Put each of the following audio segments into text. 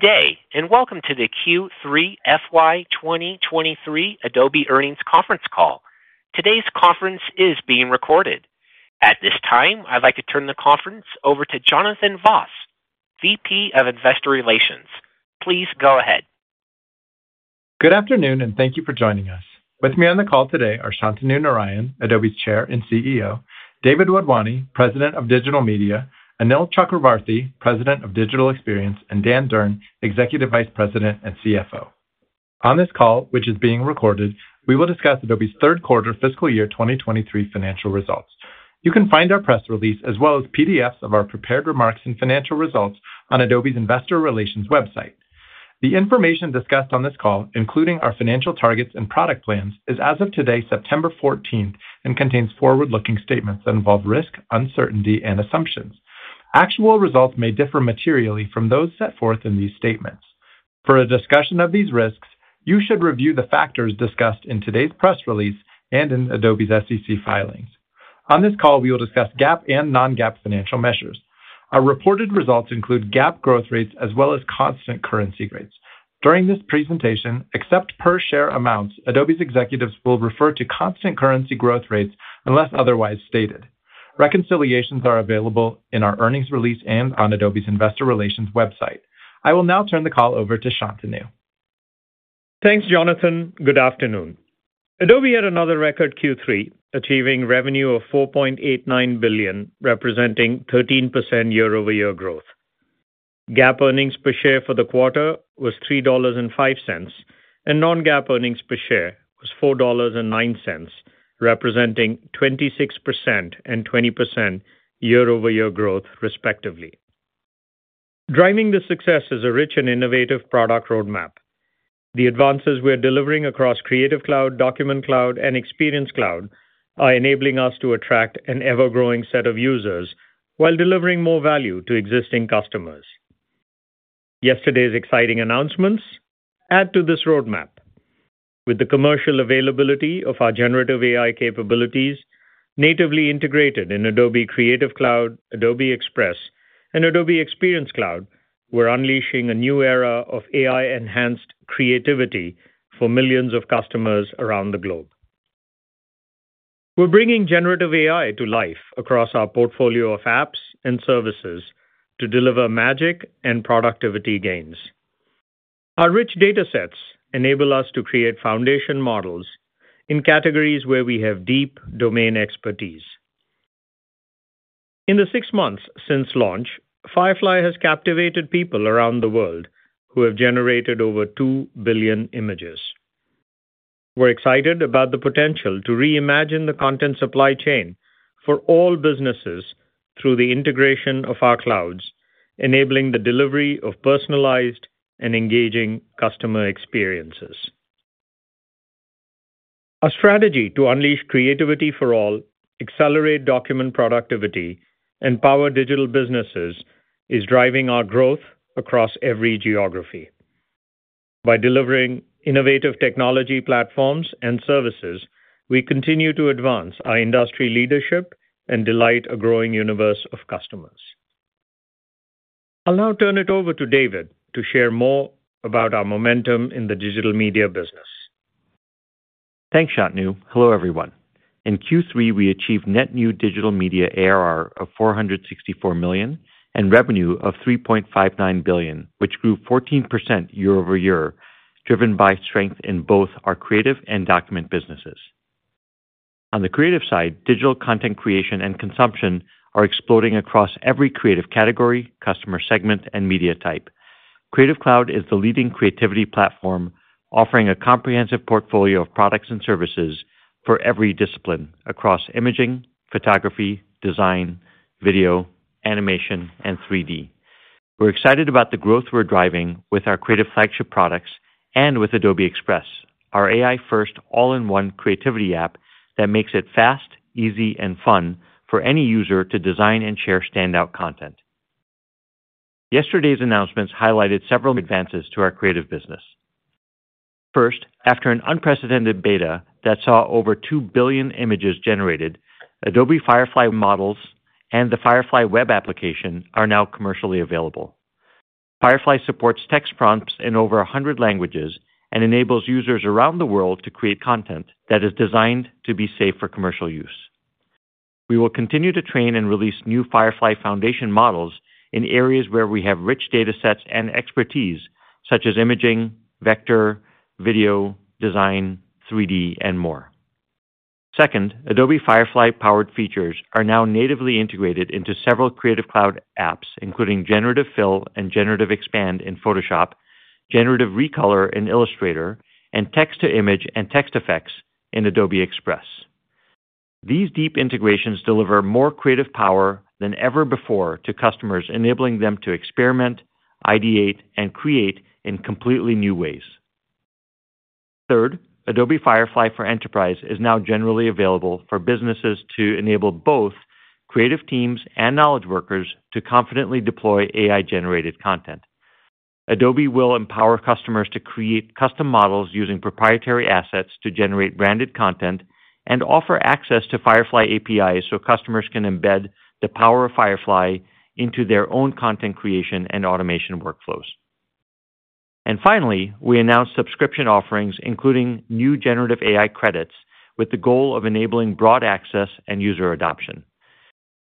Good day, and welcome to the Q3 FY 2023 Adobe earnings conference call. Today's conference is being recorded. At this time, I'd like to turn the conference over to Jonathan Vaas, VP of Investor Relations. Please go ahead. Good afternoon, and thank you for joining us. With me on the call today are Shantanu Narayen, Adobe's Chair and CEO, David Wadhwani, President of Digital Media, Anil Chakravarthy, President of Digital Experience, and Dan Durn, Executive Vice President and CFO. On this call, which is being recorded, we will discuss Adobe's third quarter fiscal year 2023 financial results. You can find our press release, as well as PDFs of our prepared remarks and financial results, on Adobe's investor relations website. The information discussed on this call, including our financial targets and product plans, is as of today, September 14th, and contains forward-looking statements that involve risk, uncertainty, and assumptions. Actual results may differ materially from those set forth in these statements. For a discussion of these risks, you should review the factors discussed in today's press release and in Adobe's SEC filings. On this call, we will discuss GAAP and non-GAAP financial measures. Our reported results include GAAP growth rates as well as constant currency rates. During this presentation, except per share amounts, Adobe's executives will refer to constant currency growth rates unless otherwise stated. Reconciliations are available in our earnings release and on Adobe's investor relations website. I will now turn the call over to Shantanu. Thanks, Jonathan. Good afternoon. Adobe had another record Q3, achieving revenue of $4.89 billion, representing 13% year-over-year growth. GAAP earnings per share for the quarter was $3.05, and non-GAAP earnings per share was $4.09, representing 26% and 20% year-over-year growth, respectively. Driving this success is a rich and innovative product roadmap. The advances we're delivering across Creative Cloud, Document Cloud, and Experience Cloud are enabling us to attract an ever-growing set of users while delivering more value to existing customers. Yesterday's exciting announcements add to this roadmap. With the commercial availability of our generative AI capabilities, natively integrated in Adobe Creative Cloud, Adobe Express, and Adobe Experience Cloud, we're unleashing a new era of AI-enhanced creativity for millions of customers around the globe. We're bringing generative AI to life across our portfolio of apps and services to deliver magic and productivity gains. Our rich data sets enable us to create Foundation Models in categories where we have deep domain expertise. In the six months since launch, Firefly has captivated people around the world who have generated over 2 billion images. We're excited about the potential to reimagine the content supply chain for all businesses through the integration of our clouds, enabling the delivery of personalized and engaging customer experiences. Our strategy to unleash creativity for all, accelerate document productivity, empower digital businesses, is driving our growth across every geography. By delivering innovative technology platforms and services, we continue to advance our industry leadership and delight a growing universe of customers. I'll now turn it over to David to share more about our momentum in the Digital Media business. Thanks, Shantanu. Hello, everyone. In Q3, we achieved net new Digital Media ARR of $464 million, and revenue of $3.59 billion, which grew 14% year-over-year, driven by strength in both our creative and document businesses. On the creative side, digital content creation and consumption are exploding across every creative category, customer segment, and media type. Creative Cloud is the leading creativity platform, offering a comprehensive portfolio of products and services for every discipline across imaging, photography, design, video, animation, and 3D. We're excited about the growth we're driving with our creative flagship products and with Adobe Express, our AI-first, all-in-one creativity app that makes it fast, easy, and fun for any user to design and share standout content. Yesterday's announcements highlighted several advances to our creative business. First, after an unprecedented beta that saw over 2 billion images generated, Adobe Firefly models and the Firefly web application are now commercially available. Firefly supports text prompts in over 100 languages and enables users around the world to create content that is designed to be safe for commercial use. We will continue to train and release new Firefly Foundation Models in areas where we have rich data sets and expertise, such as imaging, vector, video, design, 3D, and more. Second, Adobe Firefly-powered features are now natively integrated into several Creative Cloud apps, including Generative Fill and Generative Expand in Photoshop, Generative Recolor in Illustrator, and Text to Image and Text Effects in Adobe Express. These deep integrations deliver more creative power than ever before to customers, enabling them to experiment, ideate, and create in completely new ways. Third, Adobe Firefly for Enterprise is now generally available for businesses to enable both creative teams and knowledge workers to confidently deploy AI-generated content. Adobe will empower customers to create custom models using proprietary assets to generate branded content and offer access to Firefly APIs so customers can embed the power of Firefly into their own content creation and automation workflows. Finally, we announced subscription offerings, including generative credits, with the goal of enabling broad access and user adoption.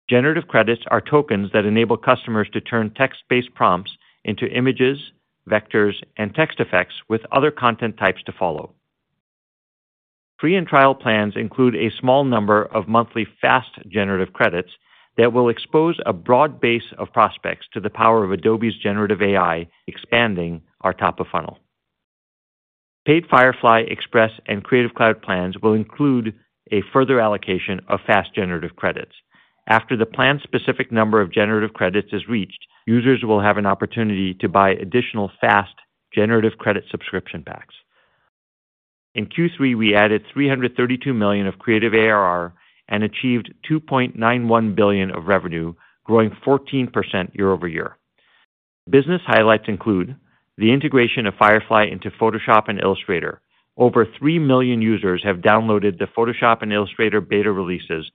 generative credits are tokens that enable customers to turn text-based prompts into images, vectors, and text effects, with other content types to follow. Free and trial plans include a small number of monthly fast generative credits that will expose a broad base of prospects to the power of Adobe's generative AI, expanding our top of funnel. Paid Firefly, Express, and Creative Cloud plans will include a further allocation of fast generative credits. After the plan-specific number of generative credits is reached, users will have an opportunity to buy additional fast generative credit subscription packs. In Q3, we added $332 million of creative ARR and achieved $2.91 billion of revenue, growing 14% year-over-year. Business highlights include the integration of Firefly into Photoshop and Illustrator. Over 3 million users have downloaded the Photoshop and Illustrator beta releases.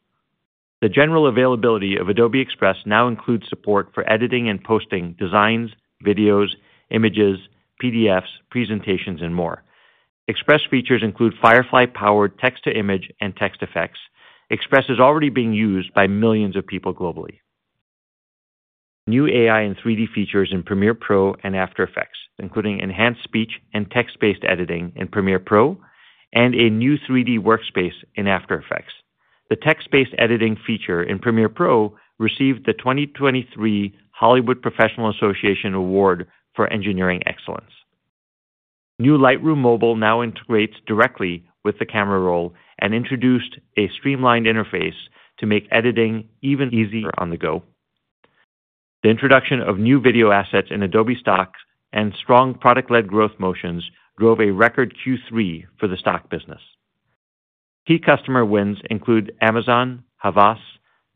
The general availability of Adobe Express now includes support for editing and posting designs, videos, images, PDFs, presentations, and more. Express features include Firefly-powered text-to-image and text effects. Express is already being used by millions of people globally. New AI and 3D features in Premiere Pro and After Effects, including enhanced speech and text-based editing in Premiere Pro, and a new 3D workspace in After Effects. The text-based editing feature in Premiere Pro received the 2023 Hollywood Professional Association Award for Engineering Excellence. New Lightroom Mobile now integrates directly with the camera roll and introduced a streamlined interface to make editing even easier on the go. The introduction of new video assets in Adobe Stock and strong product-led growth motions drove a record Q3 for the Stock business. Key customer wins include Amazon, Havas,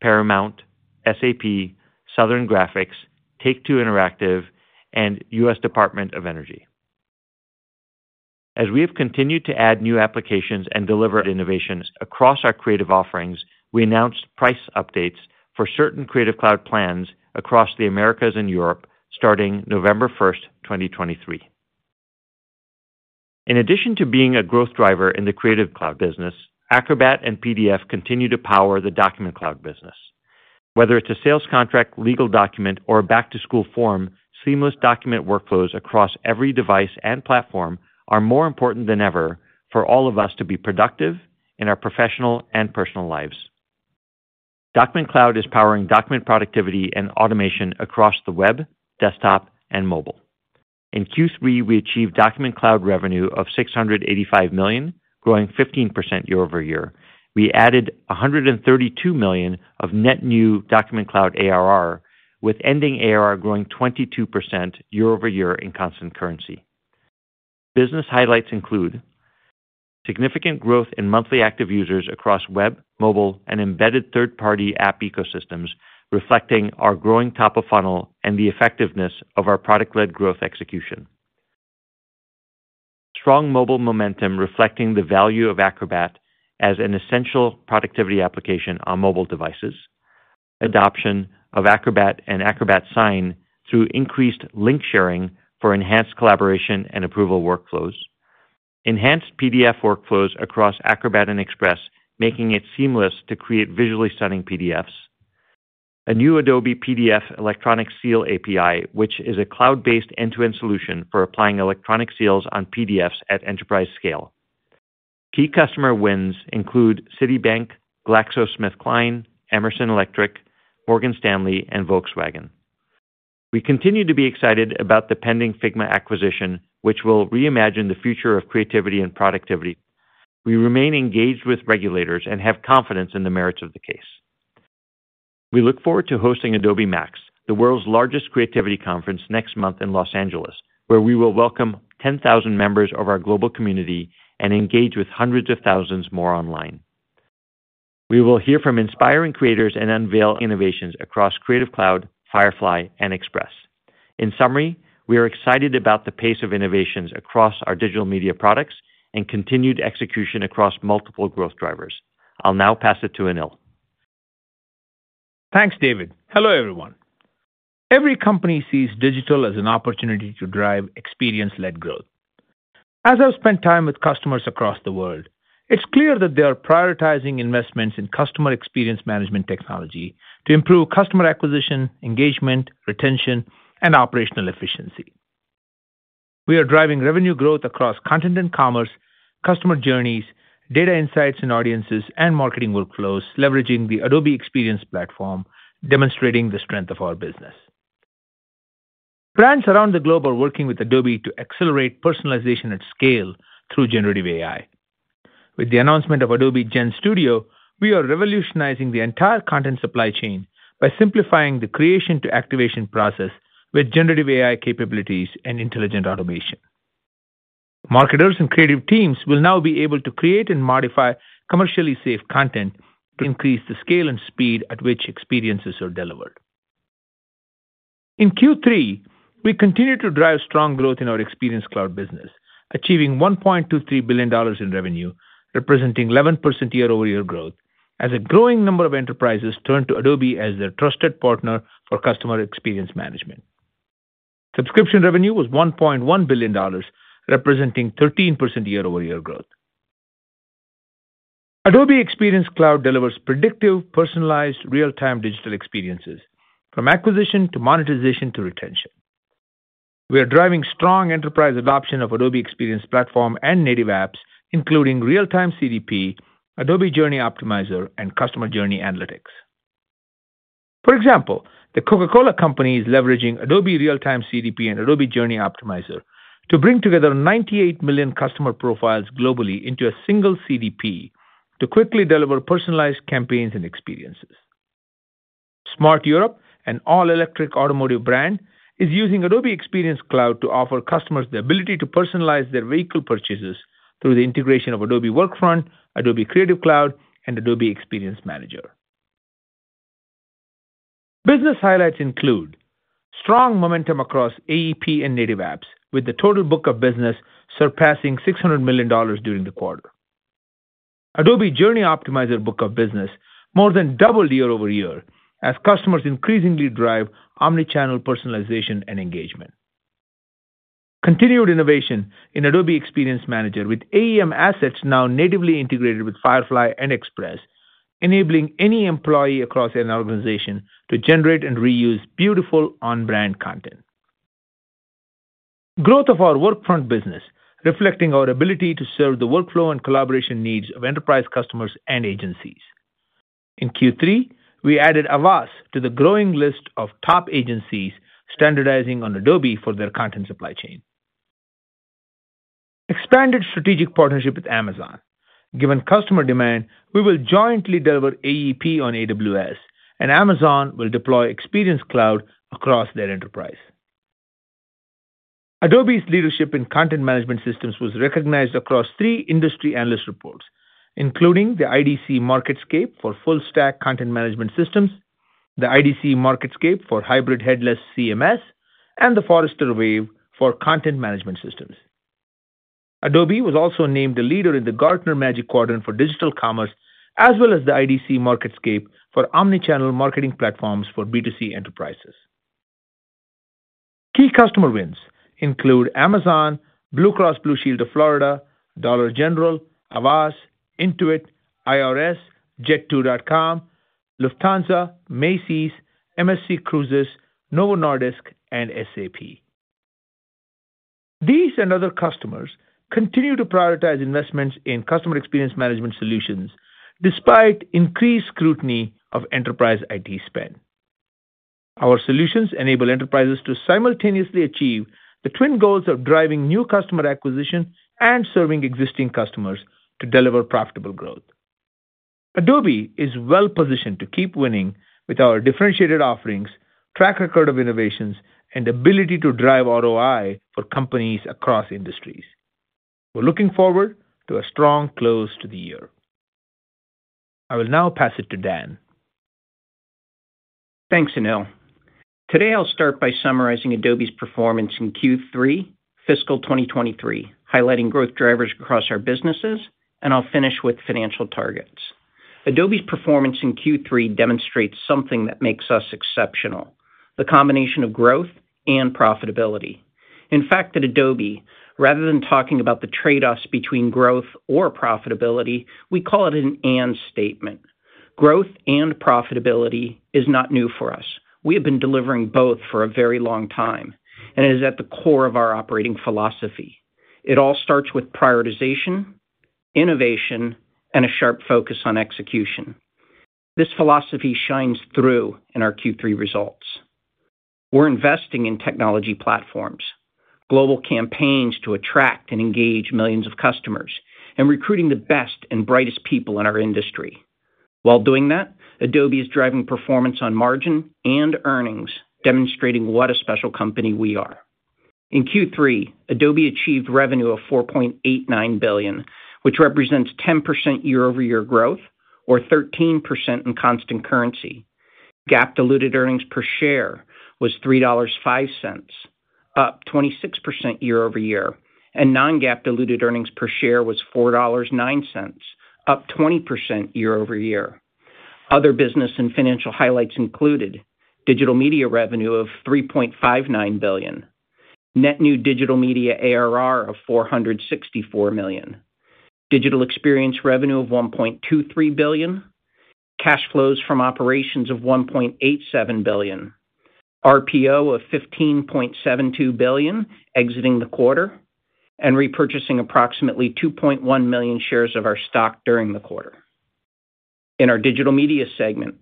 Paramount, SAP, Southern Graphics, Take-Two Interactive, and U.S. Department of Energy. As we have continued to add new applications and deliver innovations across our creative offerings, we announced price updates for certain Creative Cloud plans across the Americas and Europe, starting November 1st, 2023. In addition to being a growth driver in the Creative Cloud business, Acrobat and PDF continue to power the Document Cloud business. Whether it's a sales contract, legal document, or a back-to-school form, seamless document workflows across every device and platform are more important than ever for all of us to be productive in our professional and personal lives. Document Cloud is powering document productivity and automation across the web, desktop, and mobile. In Q3, we achieved Document Cloud revenue of $685 million, growing 15% year-over-year. We added $132 million of net new Document Cloud ARR, with ending ARR growing 22% year-over-year in constant currency. Business highlights include significant growth in monthly active users across web, mobile, and embedded third-party app ecosystems, reflecting our growing top of funnel and the effectiveness of our product-led growth execution. Strong mobile momentum, reflecting the value of Acrobat as an essential productivity application on mobile devices. Adoption of Acrobat and Acrobat Sign through increased link sharing for enhanced collaboration and approval workflows. Enhanced PDF workflows across Acrobat and Express, making it seamless to create visually stunning PDFs. A new Adobe PDF Electronic Seal API, which is a cloud-based end-to-end solution for applying electronic seals on PDFs at enterprise scale. Key customer wins include Citibank, GlaxoSmithKline, Emerson Electric, Morgan Stanley, and Volkswagen. We continue to be excited about the pending Figma acquisition, which will reimagine the future of creativity and productivity. We remain engaged with regulators and have confidence in the merits of the case. We look forward to hosting Adobe MAX, the world's largest creativity conference, next month in Los Angeles, where we will welcome 10,000 members of our global community and engage with hundreds of thousands more online. We will hear from inspiring creators and unveil innovations across Creative Cloud, Firefly, and Express. In summary, we are excited about the pace of innovations across our Digital Media products and continued execution across multiple growth drivers. I'll now pass it to Anil. Thanks, David. Hello, everyone. Every company sees digital as an opportunity to drive experience-led growth. As I've spent time with customers across the world, it's clear that they are prioritizing investments in customer experience management technology to improve customer acquisition, engagement, retention, and operational efficiency. We are driving revenue growth across content and commerce, customer journeys, data insights and audiences, and marketing workflows, leveraging the Adobe Experience Platform, demonstrating the strength of our business. Brands around the globe are working with Adobe to accelerate personalization at scale through generative AI. With the announcement of Adobe GenStudio, we are revolutionizing the entire content supply chain by simplifying the creation to activation process with generative AI capabilities and intelligent automation. Marketers and creative teams will now be able to create and modify commercially safe content to increase the scale and speed at which experiences are delivered. In Q3, we continued to drive strong growth in our Experience Cloud business, achieving $1.23 billion in revenue, representing 11% year-over-year growth. As a growing number of enterprises turn to Adobe as their trusted partner for customer experience management. Subscription revenue was $1.1 billion, representing 13% year-over-year growth. Adobe Experience Cloud delivers predictive, personalized, real-time digital experiences, from acquisition to monetization to retention. We are driving strong enterprise adoption of Adobe Experience Platform and native apps, including Real-Time CDP, Adobe Journey Optimizer, and Customer Journey Analytics. For example, the Coca-Cola Company is leveraging Adobe Real-Time CDP and Adobe Journey Optimizer to bring together 98 million customer profiles globally into a single CDP to quickly deliver personalized campaigns and experiences. smart Europe, an all-electric automotive brand, is using Adobe Experience Cloud to offer customers the ability to personalize their vehicle purchases through the integration of Adobe Workfront, Adobe Creative Cloud, and Adobe Experience Manager. Business highlights include strong momentum across AEP and native apps, with the total book of business surpassing $600 million during the quarter. Adobe Journey Optimizer book of business more than doubled year-over-year, as customers increasingly drive omni-channel personalization and engagement. Continued innovation in Adobe Experience Manager, with AEM Assets now natively integrated with Firefly and Express, enabling any employee across an organization to generate and reuse beautiful on-brand content. Growth of our Workfront business, reflecting our ability to serve the workflow and collaboration needs of enterprise customers and agencies. In Q3, we added Havas to the growing list of top agencies standardizing on Adobe for their content supply chain. Expanded strategic partnership with Amazon. Given customer demand, we will jointly deliver AEP on AWS, and Amazon will deploy Experience Cloud across their enterprise. Adobe's leadership in content management systems was recognized across three industry analyst reports, including the IDC MarketScape for full-stack content management systems, the IDC MarketScape for hybrid headless CMS, and the Forrester Wave for content management systems. Adobe was also named a leader in the Gartner Magic Quadrant for digital commerce, as well as the IDC MarketScape for omni-channel marketing platforms for B2C enterprises. Key customer wins include Amazon, Blue Cross Blue Shield of Florida, Dollar General, Havas, Intuit, IRS, Jet2.com, Lufthansa, Macy's, MSC Cruises, Novo Nordisk, and SAP. These and other customers continue to prioritize investments in customer experience management solutions despite increased scrutiny of enterprise IT spend. Our solutions enable enterprises to simultaneously achieve the twin goals of driving new customer acquisition and serving existing customers to deliver profitable growth. Adobe is well positioned to keep winning with our differentiated offerings, track record of innovations, and ability to drive ROI for companies across industries. We're looking forward to a strong close to the year. I will now pass it to Dan. Thanks, Anil. Today, I'll start by summarizing Adobe's performance in Q3 fiscal 2023, highlighting growth drivers across our businesses, and I'll finish with financial targets. Adobe's performance in Q3 demonstrates something that makes us exceptional, the combination of growth and profitability. In fact, at Adobe, rather than talking about the trade-offs between growth or profitability, we call it an and statement. Growth and profitability is not new for us. We have been delivering both for a very long time, and it is at the core of our operating philosophy. It all starts with prioritization, innovation, and a sharp focus on execution. This philosophy shines through in our Q3 results. We're investing in technology platforms, global campaigns to attract and engage millions of customers, and recruiting the best and brightest people in our industry. While doing that, Adobe is driving performance on margin and earnings, demonstrating what a special company we are. In Q3, Adobe achieved revenue of $4.89 billion, which represents 10% year-over-year growth or 13% in constant currency. GAAP diluted earnings per share was $3.05, up 26% year-over-year, and non-GAAP diluted earnings per share was $4.09, up 20% year-over-year. Other business and financial highlights included Digital Media revenue of $3.59 billion, net new Digital Media ARR of $464 million, Digital Experience revenue of $1.23 billion, cash flows from operations of $1.87 billion, RPO of $15.72 billion exiting the quarter, and repurchasing approximately 2.1 million shares of our stock during the quarter. In our Digital Media segment,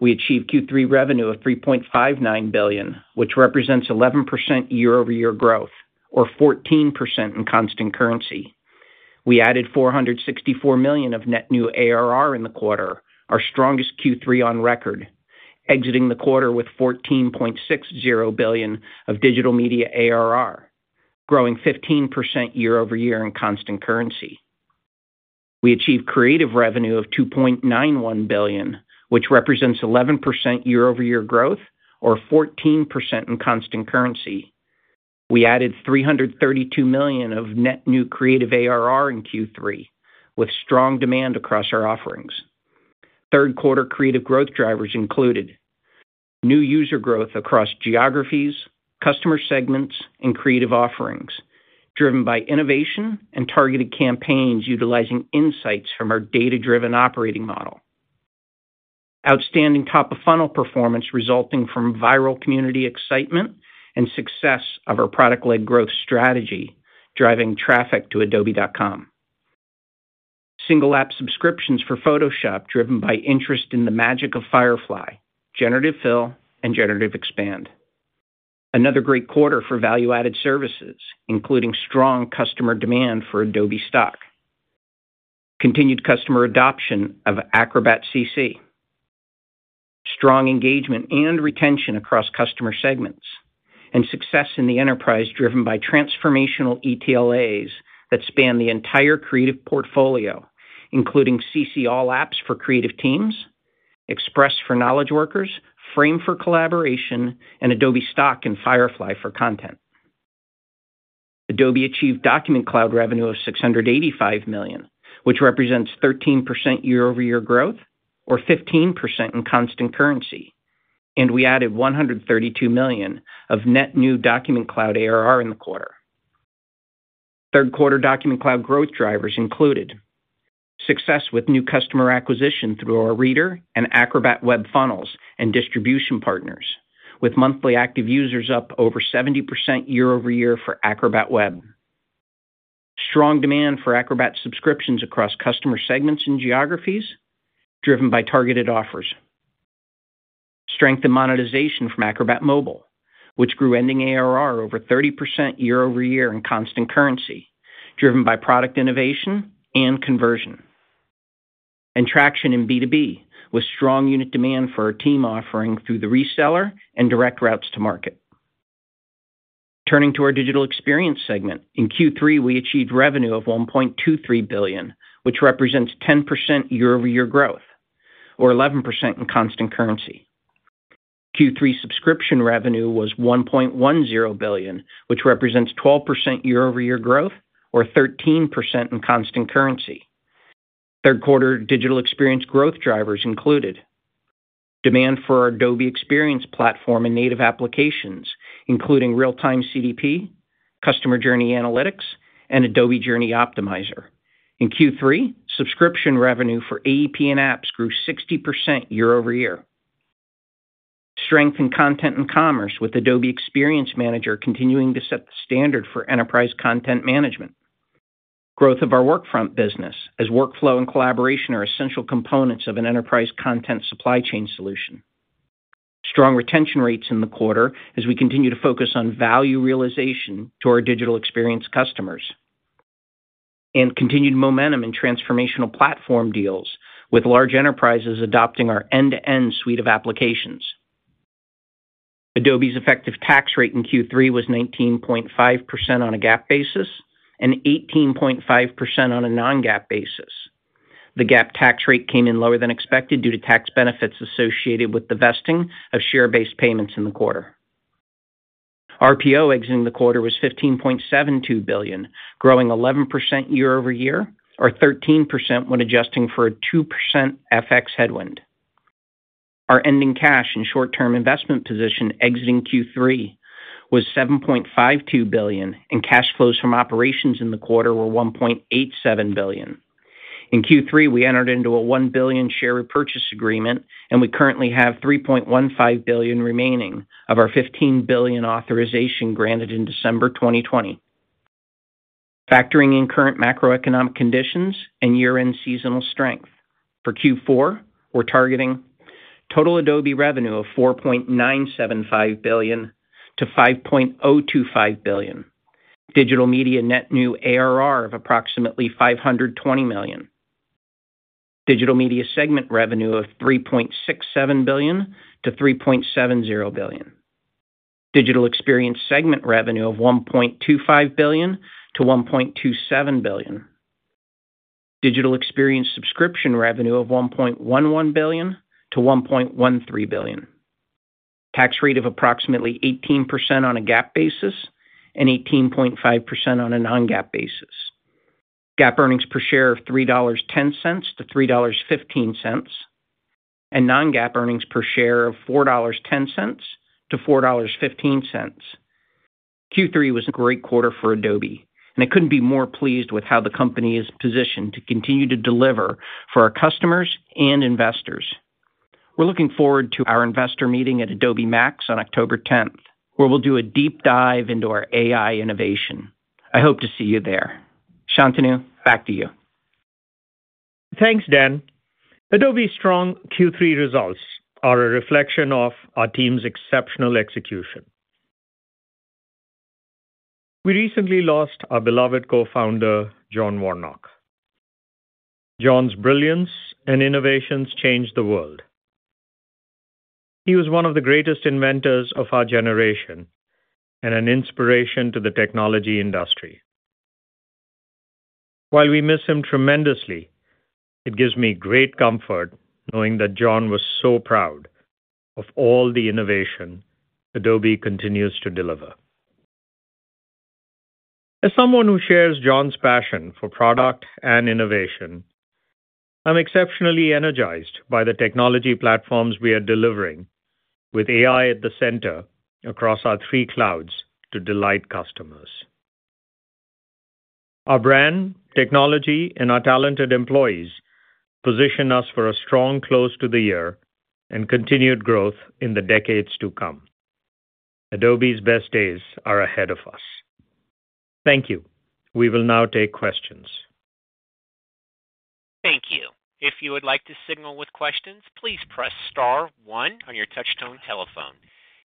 we achieved Q3 revenue of $3.59 billion, which represents 11% year-over-year growth or 14% in constant currency. We added $464 million of net new ARR in the quarter, our strongest Q3 on record, exiting the quarter with $14.60 billion of Digital Media ARR, growing 15% year-over-year in constant currency. We achieved creative revenue of $2.91 billion, which represents 11% year-over-year growth or 14% in constant currency. We added $332 million of net new creative ARR in Q3, with strong demand across our offerings. Third quarter creative growth drivers included: new user growth across geographies, customer segments, and creative offerings, driven by innovation and targeted campaigns utilizing insights from our Data-Driven Operating Model. Outstanding top-of-funnel performance resulting from viral community excitement and success of our product-led growth strategy, driving traffic to Adobe.com. Single App subscriptions for Photoshop, driven by interest in the magic of Firefly, Generative Fill, and Generative Expand. Another great quarter for value-added services, including strong customer demand for Adobe Stock. Continued customer adoption of Acrobat CC, strong engagement and retention across customer segments, and success in the enterprise, driven by transformational ETLAs that span the entire creative portfolio, including CC All Apps for creative teams, Express for knowledge workers, Frame for collaboration, and Adobe Stock and Firefly for content. Adobe achieved Document Cloud revenue of $685 million, which represents 13% year-over-year growth or 15% in constant currency, and we added $132 million of net new Document Cloud ARR in the quarter. Third-quarter Document Cloud growth drivers included: success with new customer acquisition through our Reader and Acrobat Web funnels and distribution partners, with monthly active users up over 70% year-over-year for Acrobat Web. Strong demand for Acrobat subscriptions across customer segments and geographies, driven by targeted offers. Strength in monetization from Acrobat mobile, which grew ending ARR over 30% year-over-year in constant currency, driven by product innovation and conversion. Traction in B2B, with strong unit demand for our team offering through the reseller and direct routes to market. Turning to our Digital Experience segment, in Q3, we achieved revenue of $1.23 billion, which represents 10% year-over-year growth or 11% in constant currency. Q3 subscription revenue was $1.10 billion, which represents 12% year-over-year growth or 13% in constant currency. Third quarter digital experience growth drivers included: demand for our Adobe Experience Platform and native applications, including Real-Time CDP, Customer Journey Analytics, and Adobe Journey Optimizer. In Q3, subscription revenue for AEP and apps grew 60% year-over-year. Strength in content and commerce, with Adobe Experience Manager continuing to set the standard for enterprise content management. Growth of our Workfront business, as workflow and collaboration are essential components of an enterprise content supply chain solution. Strong retention rates in the quarter as we continue to focus on value realization to our digital experience customers. And continued momentum in transformational platform deals, with large enterprises adopting our end-to-end suite of applications. Adobe's effective tax rate in Q3 was 19.5% on a GAAP basis and 18.5% on a non-GAAP basis. The GAAP tax rate came in lower than expected due to tax benefits associated with the vesting of share-based payments in the quarter. RPO exiting the quarter was $15.72 billion, growing 11% year-over-year, or 13% when adjusting for a 2% FX headwind. Our ending cash and short-term investment position exiting Q3 was $7.52 billion, and cash flows from operations in the quarter were $1.87 billion. In Q3, we entered into a $1 billion share repurchase agreement, and we currently have $3.15 billion remaining of our $15 billion authorization granted in December 2020. Factoring in current macroeconomic conditions and year-end seasonal strength, for Q4, we're targeting total Adobe revenue of $4.975 billion-$5.025 billion. Digital Media net new ARR of approximately $520 million. Digital Media segment revenue of $3.67 billion-$3.70 billion. Digital Experience segment revenue of $1.25 billion-$1.27 billion. Digital Experience subscription revenue of $1.11 billion-$1.13 billion. Tax rate of approximately 18% on a GAAP basis and 18.5% on a non-GAAP basis. GAAP earnings per share of $3.10-$3.15, and non-GAAP earnings per share of $4.10-$4.15. Q3 was a great quarter for Adobe, and I couldn't be more pleased with how the company is positioned to continue to deliver for our customers and investors. We're looking forward to our investor meeting at Adobe MAX on October 10th, where we'll do a deep dive into our AI innovation. I hope to see you there. Shantanu, back to you. Thanks, Dan. Adobe's strong Q3 results are a reflection of our team's exceptional execution. We recently lost our beloved Co-Founder, John Warnock. John's brilliance and innovations changed the world. He was one of the greatest inventors of our generation and an inspiration to the technology industry.... While we miss him tremendously, it gives me great comfort knowing that John was so proud of all the innovation Adobe continues to deliver. As someone who shares John's passion for product and innovation, I'm exceptionally energized by the technology platforms we are delivering with AI at the center across our three clouds to delight customers. Our brand, technology, and our talented employees position us for a strong close to the year and continued growth in the decades to come. Adobe's best days are ahead of us. Thank you. We will now take questions. Thank you. If you would like to signal with questions, please press star one on your touch-tone telephone.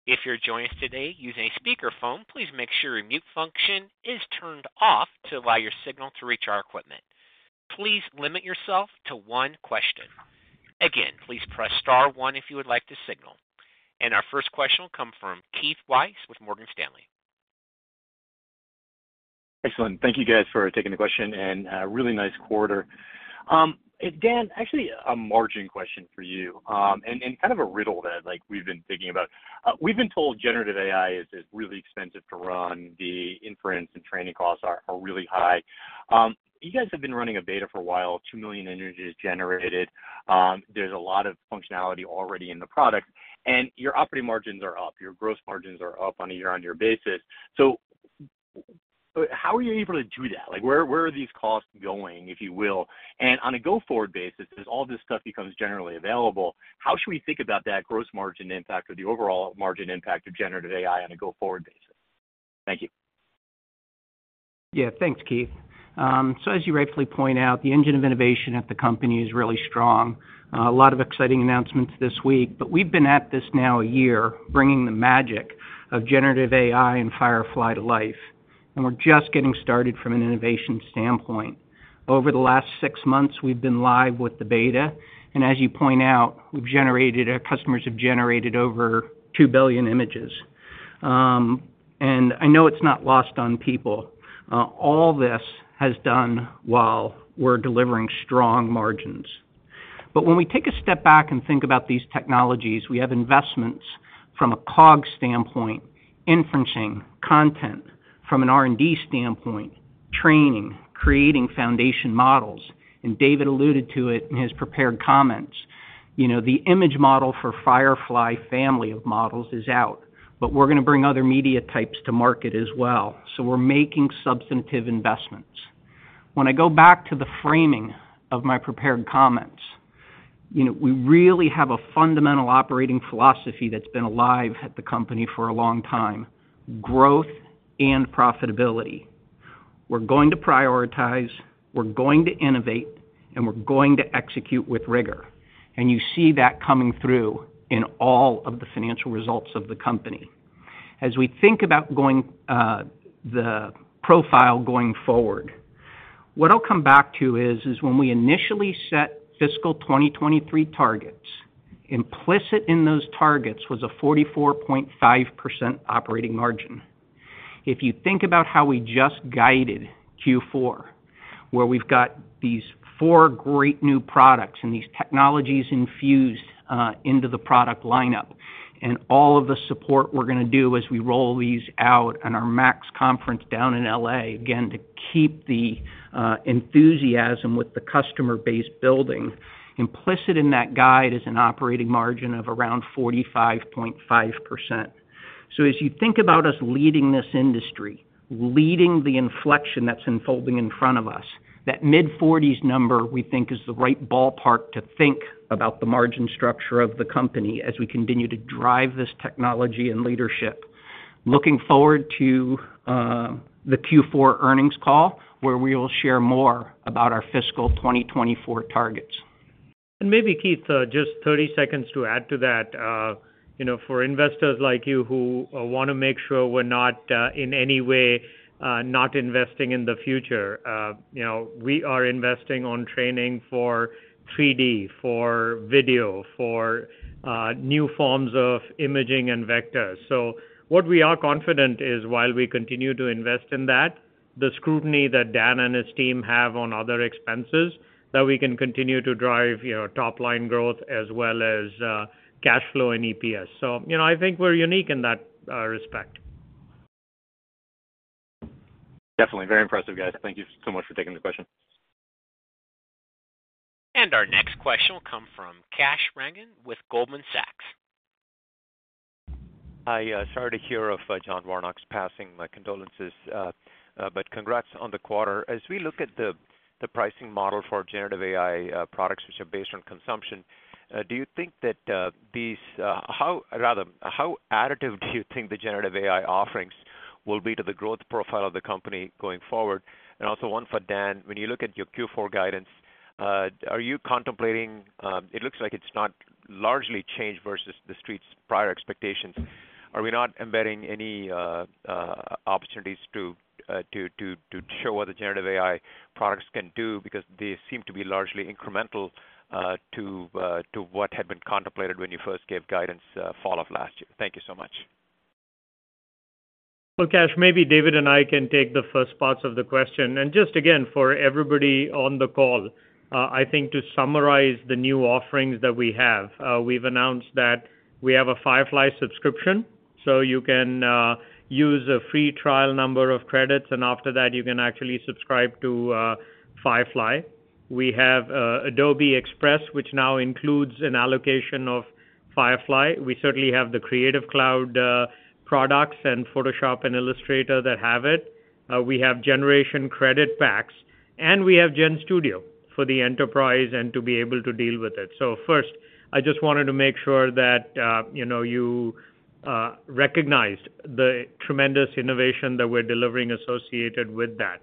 If you're joining us today using a speakerphone, please make sure your mute function is turned off to allow your signal to reach our equipment. Please limit yourself to one question. Again, please press star one if you would like to signal. Our first question will come from Keith Weiss with Morgan Stanley. Excellent. Thank you, guys, for taking the question, and really nice quarter. Dan, actually a margin question for you, and kind of a riddle that, like, we've been thinking about. We've been told generative AI is really expensive to run. The inference and training costs are really high. You guys have been running a beta for a while, 2 million images generated. There's a lot of functionality already in the product, and your operating margins are up, your gross margins are up on a year-on-year basis. So how are you able to do that? Like, where are these costs going, if you will? And on a go-forward basis, as all this stuff becomes generally available, how should we think about that gross margin impact or the overall margin impact of generative AI on a go-forward basis? Thank you. Yeah, thanks, Keith. So as you rightfully point out, the engine of innovation at the company is really strong. A lot of exciting announcements this week, but we've been at this now a year, bringing the magic of generative AI and Firefly to life, and we're just getting started from an innovation standpoint. Over the last six months, we've been live with the beta, and as you point out, we've generated—our customers have generated over 2 billion images. And I know it's not lost on people, all this has done while we're delivering strong margins. But when we take a step back and think about these technologies, we have investments from a COGS standpoint, inferencing, content, from an R&D standpoint, training, creating Foundation Models, and David alluded to it in his prepared comments. You know, the image model for Firefly family of models is out, but we're going to bring other media types to market as well. So we're making substantive investments. When I go back to the framing of my prepared comments, you know, we really have a fundamental operating philosophy that's been alive at the company for a long time, growth and profitability. We're going to prioritize, we're going to innovate, and we're going to execute with rigor. And you see that coming through in all of the financial results of the company. As we think about going, the profile going forward, what I'll come back to is, is when we initially set fiscal 2023 targets, implicit in those targets was a 44.5% operating margin. If you think about how we just guided Q4, where we've got these four great new products and these technologies infused into the product lineup, and all of the support we're going to do as we roll these out in our MAX conference down in L.A., again, to keep the enthusiasm with the customer base building, implicit in that guide is an operating margin of around 45.5%. So as you think about us leading this industry, leading the inflection that's unfolding in front of us, that mid-40s number, we think, is the right ballpark to think about the margin structure of the company as we continue to drive this technology and leadership. Looking forward to the Q4 earnings call, where we will share more about our fiscal 2024 targets. Maybe, Keith, just 30 seconds to add to that. You know, for investors like you who want to make sure we're not in any way not investing in the future, you know, we are investing on training for 3D, for video, for new forms of imaging and vectors. So what we are confident is, while we continue to invest in that, the scrutiny that Dan and his team have on other expenses, that we can continue to drive, you know, top-line growth as well as cash flow and EPS. So, you know, I think we're unique in that respect. Definitely. Very impressive, guys. Thank you so much for taking the question. Our next question will come from Kash Rangan with Goldman Sachs. Hi. Sorry to hear of John Warnock's passing. My condolences, but congrats on the quarter. As we look at the pricing model for generative AI products, which are based on consumption, rather, how additive do you think the generative AI offerings will be to the growth profile of the company going forward? And also one for Dan. When you look at your Q4 guidance, it looks like it's not largely changed versus the street's prior expectations. Are we not embedding any opportunities to show what the generative AI products can do? Because they seem to be largely incremental to what had been contemplated when you first gave guidance fall of last year. Thank you so much. Well, Kash, maybe David and I can take the first parts of the question. And just again, for everybody on the call, I think to summarize the new offerings that we have, we've announced that we have a Firefly subscription, so you can use a free trial number of credits, and after that, you can actually subscribe to Firefly. We have Adobe Express, which now includes an allocation of Firefly. We certainly have the Creative Cloud products and Photoshop and Illustrator that have it. We have generative credit packs, and we have GenStudio for the enterprise and to be able to deal with it. So first, I just wanted to make sure that, you know, you recognized the tremendous innovation that we're delivering associated with that.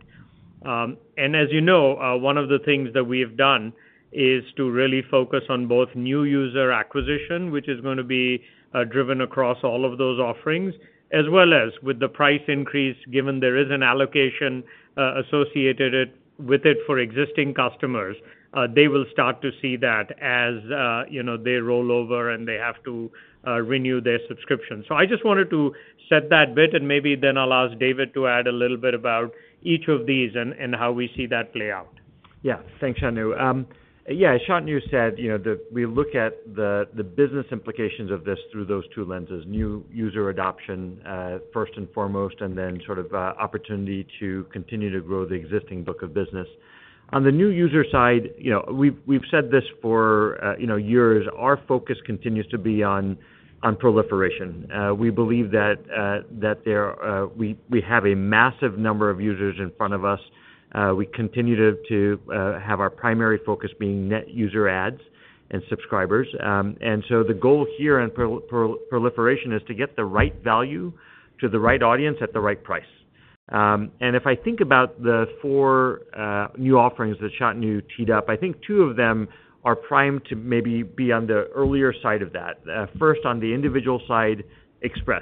And as you know, one of the things that we've done is to really focus on both new user acquisition, which is going to be driven across all of those offerings, as well as with the price increase, given there is an allocation associated with it for existing customers. They will start to see that as you know, they roll over and they have to renew their subscription. So I just wanted to set that bit and maybe then allow David to add a little bit about each of these and how we see that play out. Yeah. Thanks, Shantanu. Yeah, as Shantanu said, you know, we look at the business implications of this through those two lenses, new user adoption first and foremost, and then sort of opportunity to continue to grow the existing book of business. On the new user side, you know, we've said this for you know years. Our focus continues to be on proliferation. We believe that we have a massive number of users in front of us. We continue to have our primary focus being net user ads and subscribers. And so the goal here on proliferation is to get the right value to the right audience at the right price. And if I think about the four new offerings that Shantanu teed up, I think two of them are primed to maybe be on the earlier side of that. First, on the individual side, Express.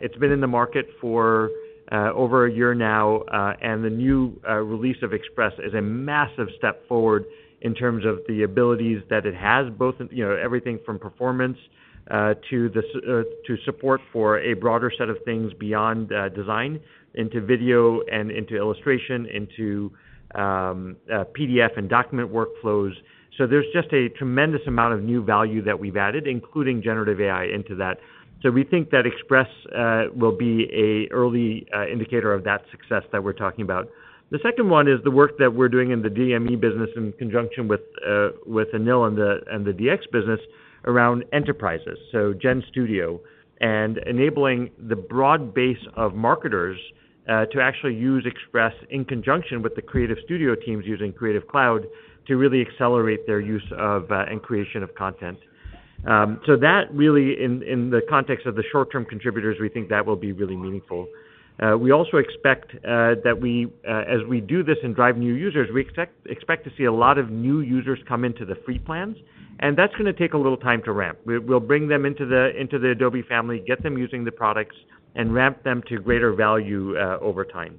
It's been in the market for over a year now, and the new release of Express is a massive step forward in terms of the abilities that it has, both, you know, everything from performance to support for a broader set of things beyond design, into video and into illustration, into PDF and document workflows. So there's just a tremendous amount of new value that we've added, including generative AI, into that. So we think that Express will be an early indicator of that success that we're talking about. The second one is the work that we're doing in the DME business in conjunction with Anil and the DX business around enterprises, so GenStudio, and enabling the broad base of marketers to actually use Express in conjunction with the creative studio teams using Creative Cloud to really accelerate their use of and creation of content. So that really, in the context of the short-term contributors, we think that will be really meaningful. We also expect that as we do this and drive new users, we expect to see a lot of new users come into the free plans, and that's going to take a little time to ramp. We'll bring them into the Adobe family, get them using the products, and ramp them to greater value over time.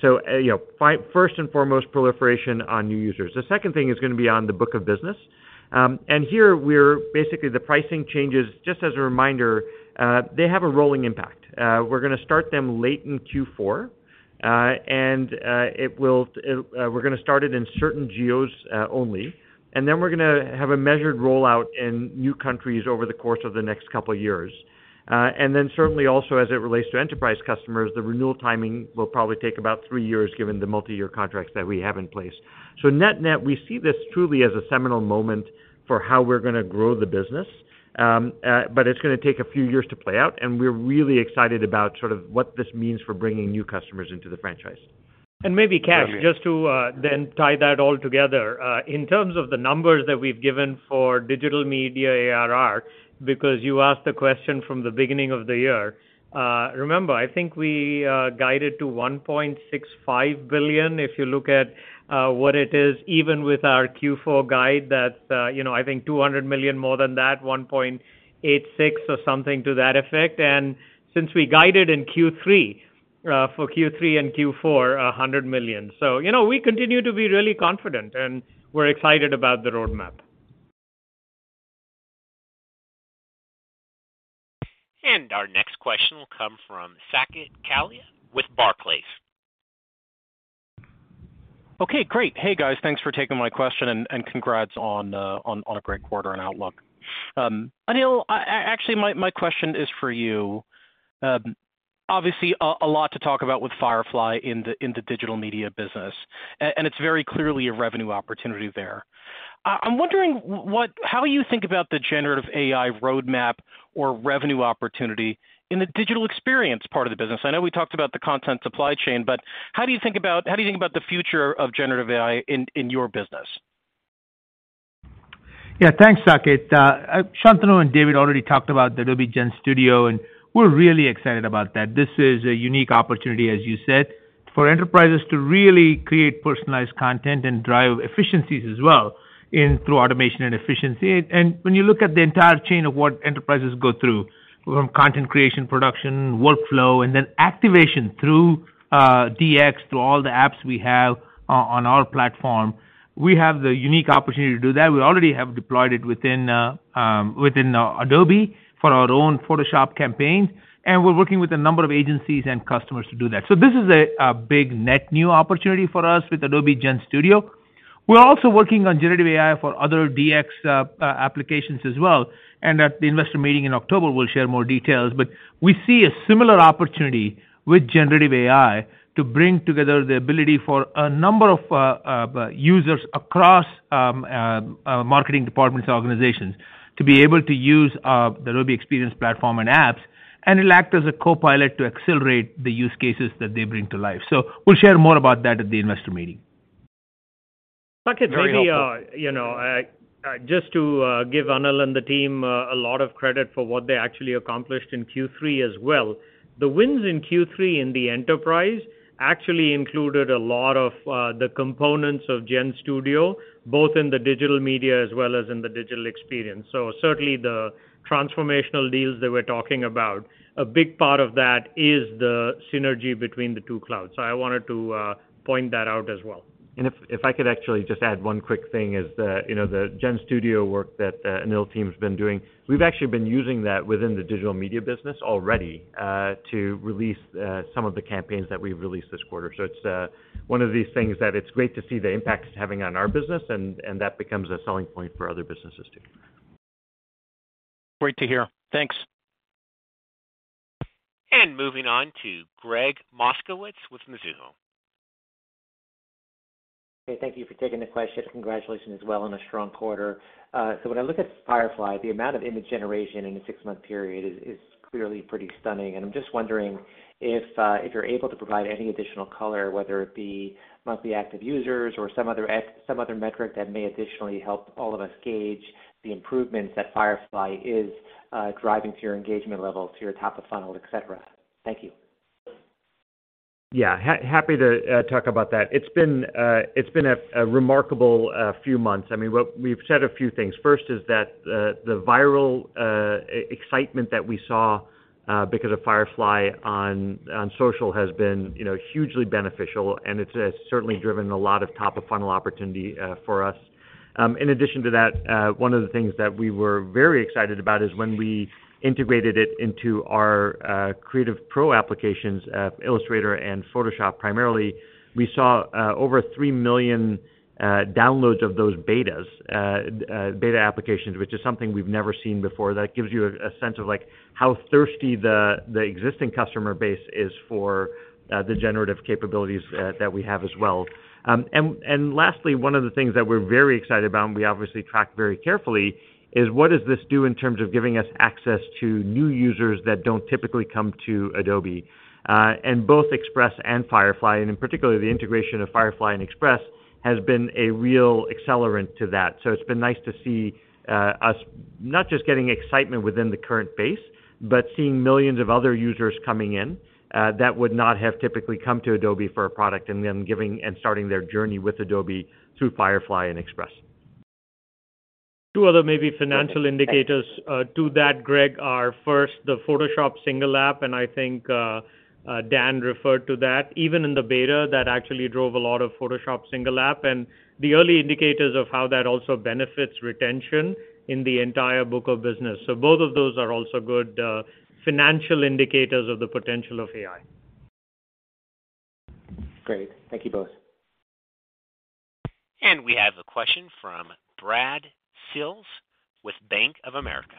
So, you know, first and foremost, proliferation on new users. The second thing is going to be on the book of business. And here, we're basically the pricing changes, just as a reminder, they have a rolling impact. We're going to start them late in Q4, and we're going to start it in certain geos only, and then we're going to have a measured rollout in new countries over the course of the next couple of years. And then certainly also as it relates to enterprise customers, the renewal timing will probably take about three years, given the multiyear contracts that we have in place. So net-net, we see this truly as a seminal moment for how we're going to grow the business. But it's going to take a few years to play out, and we're really excited about sort of what this means for bringing new customers into the franchise. And maybe, Kash, just to then tie that all together in terms of the numbers that we've given for Digital Media ARR, because you asked a question from the beginning of the year. Remember, I think we guided to $1.65 billion. If you look at what it is, even with our Q4 guide, that's, you know, I think $200 million more than that, $1.86 or something to that effect. And since we guided in Q3 for Q3 and Q4, $100 million. So, you know, we continue to be really confident, and we're excited about the roadmap. Our next question will come from Saket Kalia with Barclays. Okay, great. Hey, guys, thanks for taking my question, and congrats on a great quarter and outlook. Anil, actually, my question is for you. Obviously, a lot to talk about with Firefly in the Digital Media business, and it's very clearly a revenue opportunity there. I'm wondering how you think about the generative AI roadmap or revenue opportunity in the digital experience part of the business? I know we talked about the content supply chain, but how do you think about, how do you think about the future of generative AI in your business? Yeah, thanks, Saket. Shantanu and David already talked about the Adobe GenStudio, and we're really excited about that. This is a unique opportunity, as you said, for enterprises to really create personalized content and drive efficiencies as well through automation and efficiency. And when you look at the entire chain of what enterprises go through, from content creation, production, workflow, and then activation through DX, through all the apps we have on our platform, we have the unique opportunity to do that. We already have deployed it within Adobe for our own Photoshop campaigns, and we're working with a number of agencies and customers to do that. So this is a big net new opportunity for us with Adobe GenStudio. We're also working on generative AI for other DX applications as well, and at the investor meeting in October, we'll share more details. But we see a similar opportunity with generative AI to bring together the ability for a number of users across marketing departments, organizations, to be able to use the Adobe Experience Platform and apps, and it'll act as a copilot to accelerate the use cases that they bring to life. So we'll share more about that at the investor meeting. Very helpful. Maybe, you know, just to give Anil and the team a lot of credit for what they actually accomplished in Q3 as well. The wins in Q3 in the enterprise actually included a lot of the components of GenStudio, both in the Digital Media as well as in the digital experience. So certainly, the transformational deals that we're talking about, a big part of that is the synergy between the two clouds. So I wanted to point that out as well. And if I could actually just add one quick thing, is that, you know, the GenStudio work that Anil team's been doing, we've actually been using that within the Digital Media business already, to release some of the campaigns that we've released this quarter. So it's one of these things that it's great to see the impact it's having on our business, and that becomes a selling point for other businesses, too. Great to hear. Thanks. Moving on to Gregg Moskowitz with Mizuho. Okay, thank you for taking the question. Congratulations as well on a strong quarter. So when I look at Firefly, the amount of image generation in a six-month period is clearly pretty stunning, and I'm just wondering if you're able to provide any additional color, whether it be monthly active users or some other metric that may additionally help all of us gauge the improvements that Firefly is driving to your engagement levels, to your top of funnel, et cetera. Thank you. Yeah, happy to talk about that. It's been a remarkable few months. I mean, we've said a few things. First, the viral excitement that we saw because of Firefly on social has been, you know, hugely beneficial, and it's certainly driven a lot of top-of-funnel opportunity for us. In addition to that, one of the things that we were very excited about is when we integrated it into our Creative Cloud Pro applications, Illustrator and Photoshop, primarily. We saw over 3 million downloads of those beta applications, which is something we've never seen before. That gives you a sense of, like, how thirsty the existing customer base is for the generative capabilities that we have as well. And lastly, one of the things that we're very excited about, and we obviously track very carefully, is what does this do in terms of giving us access to new users that don't typically come to Adobe? And both Express and Firefly, and in particular, the integration of Firefly and Express, has been a real accelerant to that. So it's been nice to see us not just getting excitement within the current base, but seeing millions of other users coming in that would not have typically come to Adobe for a product, and then giving and starting their journey with Adobe through Firefly and Express. Two other maybe financial indicators, to that, Gregg, are, first, the Photoshop Single App, and I think, Dan referred to that. Even in the beta, that actually drove a lot of Photoshop Single App, and the early indicators of how that also benefits retention in the entire book of business. So both of those are also good, financial indicators of the potential of AI. Great. Thank you both. We have a question from Brad Sills with Bank of America.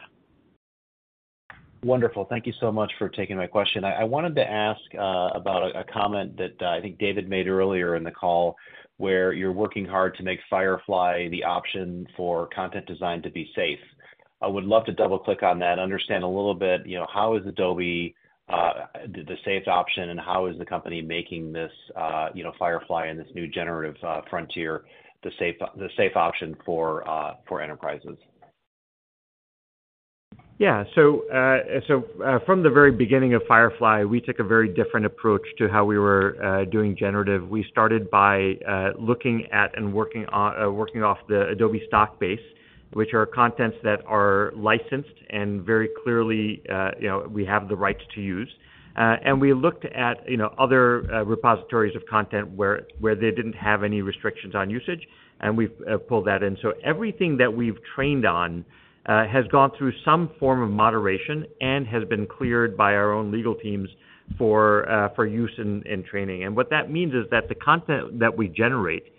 Wonderful. Thank you so much for taking my question. I, I wanted to ask, about a comment that, I think David made earlier in the call, where you're working hard to make Firefly the option for content design to be safe. I would love to double-click on that, understand a little bit, you know, how is Adobe, the, the safest option, and how is the company making this, you know, Firefly and this new generative, frontier, the safe, the safe option for, for enterprises? Yeah. So, from the very beginning of Firefly, we took a very different approach to how we were doing generative. We started by looking at and working on working off the Adobe Stock base, which are contents that are licensed and very clearly, you know, we have the rights to use. And we looked at, you know, other repositories of content where they didn't have any restrictions on usage, and we've pulled that in. So everything that we've trained on has gone through some form of moderation and has been cleared by our own legal teams for use in training. And what that means is that the content that we generate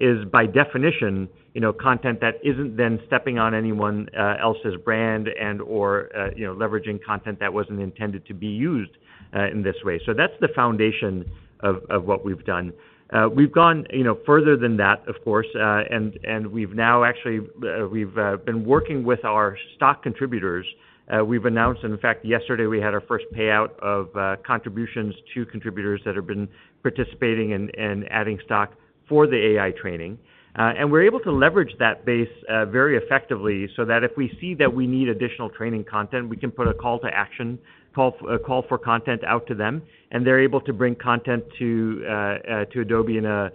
is by definition, you know, content that isn't then stepping on anyone else's brand and/or, you know, leveraging content that wasn't intended to be used in this way. So that's the foundation of what we've done. We've gone, you know, further than that, of course, and we've now actually been working with our stock contributors. We've announced, and in fact, yesterday we had our first payout of contributions to contributors that have been participating and adding stock for the AI training. We're able to leverage that base very effectively, so that if we see that we need additional training content, we can put a call to action, call for content out to them, and they're able to bring content to Adobe in a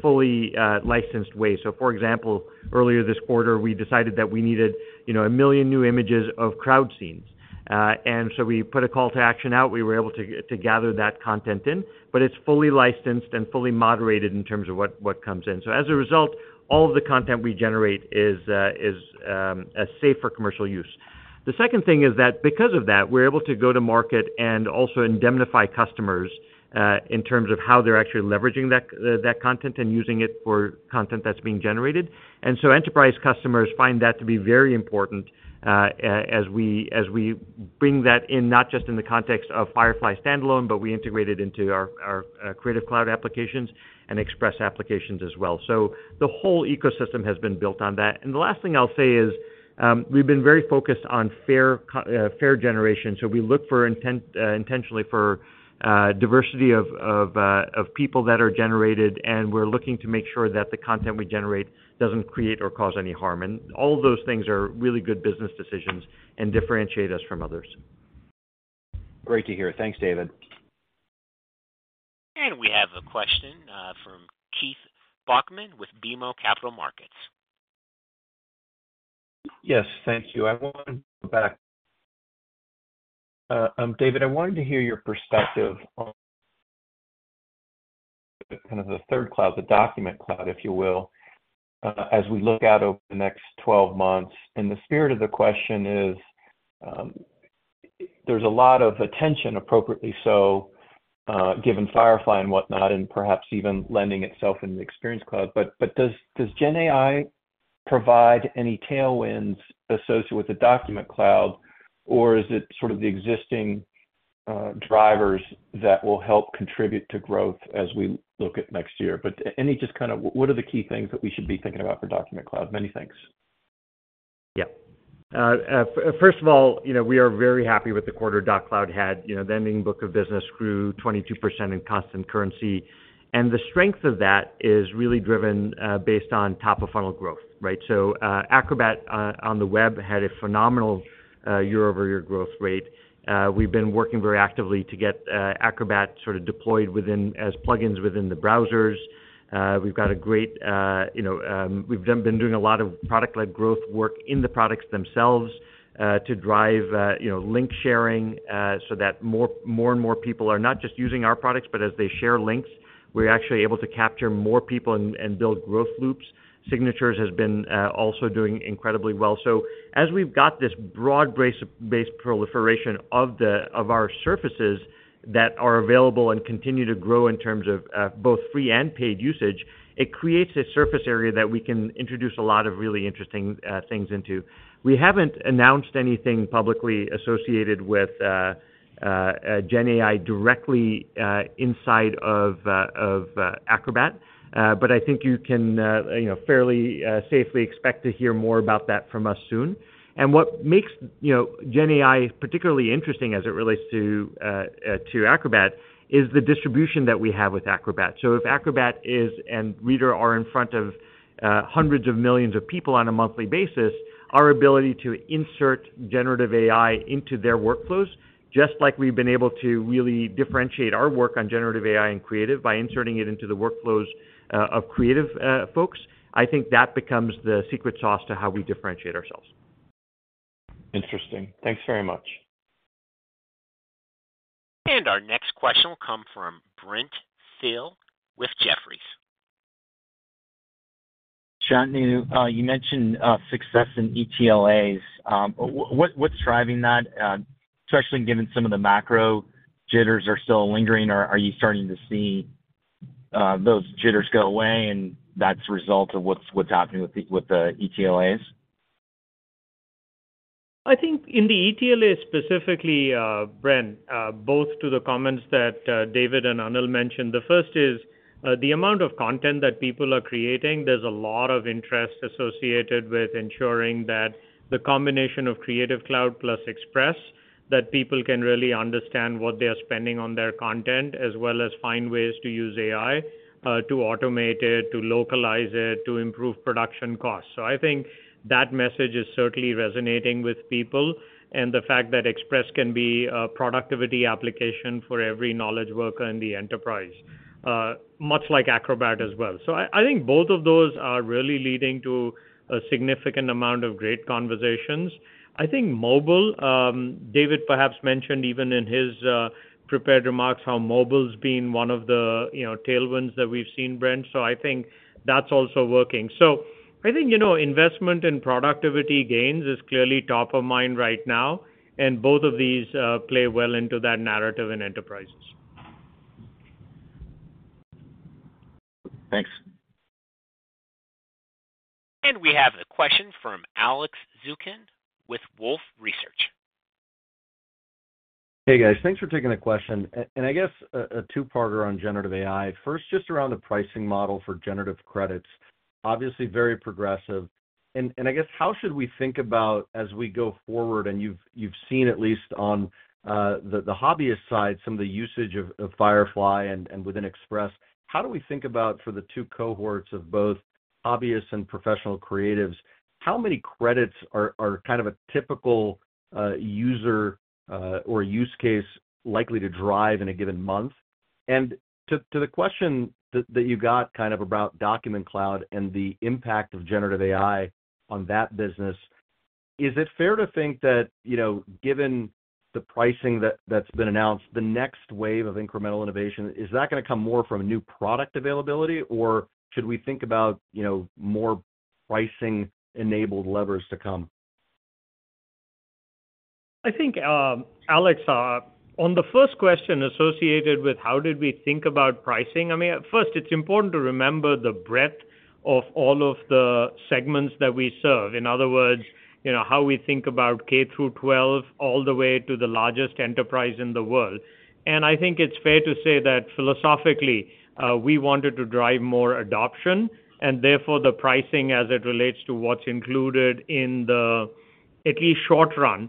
fully licensed way. So, for example, earlier this quarter, we decided that we needed, you know, 1 million new images of crowd scenes. And so we put a call to action out. We were able to gather that content in, but it's fully licensed and fully moderated in terms of what comes in. So as a result, all of the content we generate is safe for commercial use. The second thing is that because of that, we're able to go to market and also indemnify customers in terms of how they're actually leveraging that content and using it for content that's being generated. And so enterprise customers find that to be very important as we bring that in, not just in the context of Firefly standalone, but we integrate it into our Creative Cloud applications and Express applications as well. So the whole ecosystem has been built on that. And the last thing I'll say is we've been very focused on fair generation. So we look for intent intentionally for diversity of people that are generated, and we're looking to make sure that the content we generate doesn't create or cause any harm. All of those things are really good business decisions and differentiate us from others. Great to hear. Thanks, David. We have a question from Keith Bachman with BMO Capital Markets. Yes, thank you. I want to go back. David, I wanted to hear your perspective on kind of the third cloud, the Document Cloud, if you will, as we look out over the next 12 months. And the spirit of the question is, there's a lot of attention, appropriately so, given Firefly and whatnot, and perhaps even lending itself in the Experience Cloud. But does GenAI provide any tailwinds associated with the Document Cloud, or is it sort of the existing drivers that will help contribute to growth as we look at next year? But any just kind of... What are the key things that we should be thinking about for Document Cloud? Many thanks. Yeah. First of all, you know, we are very happy with the quarter Document Cloud had. You know, the ending book of business grew 22% in constant currency, and the strength of that is really driven based on top-of-funnel growth, right? So, Acrobat on the web had a phenomenal year-over-year growth rate. We've been working very actively to get Acrobat sort of deployed within, as plugins within the browsers. We've got a great, you know, we've been doing a lot of product-led growth work in the products themselves to drive, you know, link sharing, so that more and more people are not just using our products, but as they share links, we're actually able to capture more people and build growth loops. Signatures has been also doing incredibly well. So as we've got this broad base proliferation of our surfaces that are available and continue to grow in terms of both free and paid usage, it creates a surface area that we can introduce a lot of really interesting things into. We haven't announced anything publicly associated with GenAI directly inside of Acrobat. But I think you can you know fairly safely expect to hear more about that from us soon. And what makes you know GenAI particularly interesting as it relates to Acrobat is the distribution that we have with Acrobat. So if Acrobat and Reader are in front of hundreds of millions of people on a monthly basis, our ability to insert generative AI into their workflows, just like we've been able to really differentiate our work on generative AI and Creative by inserting it into the workflows of creative folks, I think that becomes the secret sauce to how we differentiate ourselves. Interesting. Thanks very much. Our next question will come from Brent Thill with Jefferies. Shantanu, you mentioned success in ETLAs. What's driving that? Especially given some of the macro jitters are still lingering, or are you starting to see those jitters go away, and that's a result of what's happening with the ETLAs? I think in the ETLA specifically, Brent, both to the comments that, David and Anil mentioned. The first is, the amount of content that people are creating, there's a lot of interest associated with ensuring that the combination of Creative Cloud plus Express, that people can really understand what they are spending on their content, as well as find ways to use AI, to automate it, to localize it, to improve production costs. So I think that message is certainly resonating with people, and the fact that Express can be a productivity application for every knowledge worker in the enterprise, much like Acrobat as well. So I, I think both of those are really leading to a significant amount of great conversations. I think mobile, David perhaps mentioned, even in his prepared remarks, how mobile's been one of the, you know, tailwinds that we've seen, Brent. So I think that's also working. So I think, you know, investment in productivity gains is clearly top of mind right now, and both of these play well into that narrative in enterprises. Thanks. We have a question from Alex Zukin with Wolfe Research. Hey, guys. Thanks for taking the question. And I guess a two-parter on generative AI. First, just around the pricing model for generative credits, obviously very progressive. And I guess how should we think about as we go forward, and you've seen at least on the hobbyist side, some of the usage of Firefly and within Express. How do we think about for the two cohorts of both hobbyists and professional creatives, how many credits are kind of a typical user or use case likely to drive in a given month? And to the question that you got kind of about Document Cloud and the impact of generative AI on that business, is it fair to think that, you know, given-... The pricing that, that's been announced, the next wave of incremental innovation, is that gonna come more from new product availability, or should we think about, you know, more pricing-enabled levers to come? I think, Alex, on the first question associated with how did we think about pricing? I mean, first, it's important to remember the breadth of all of the segments that we serve. In other words, you know, how we think about K-12, all the way to the largest enterprise in the world. And I think it's fair to say that philosophically, we wanted to drive more adoption, and therefore, the pricing as it relates to what's included in the, at least short run,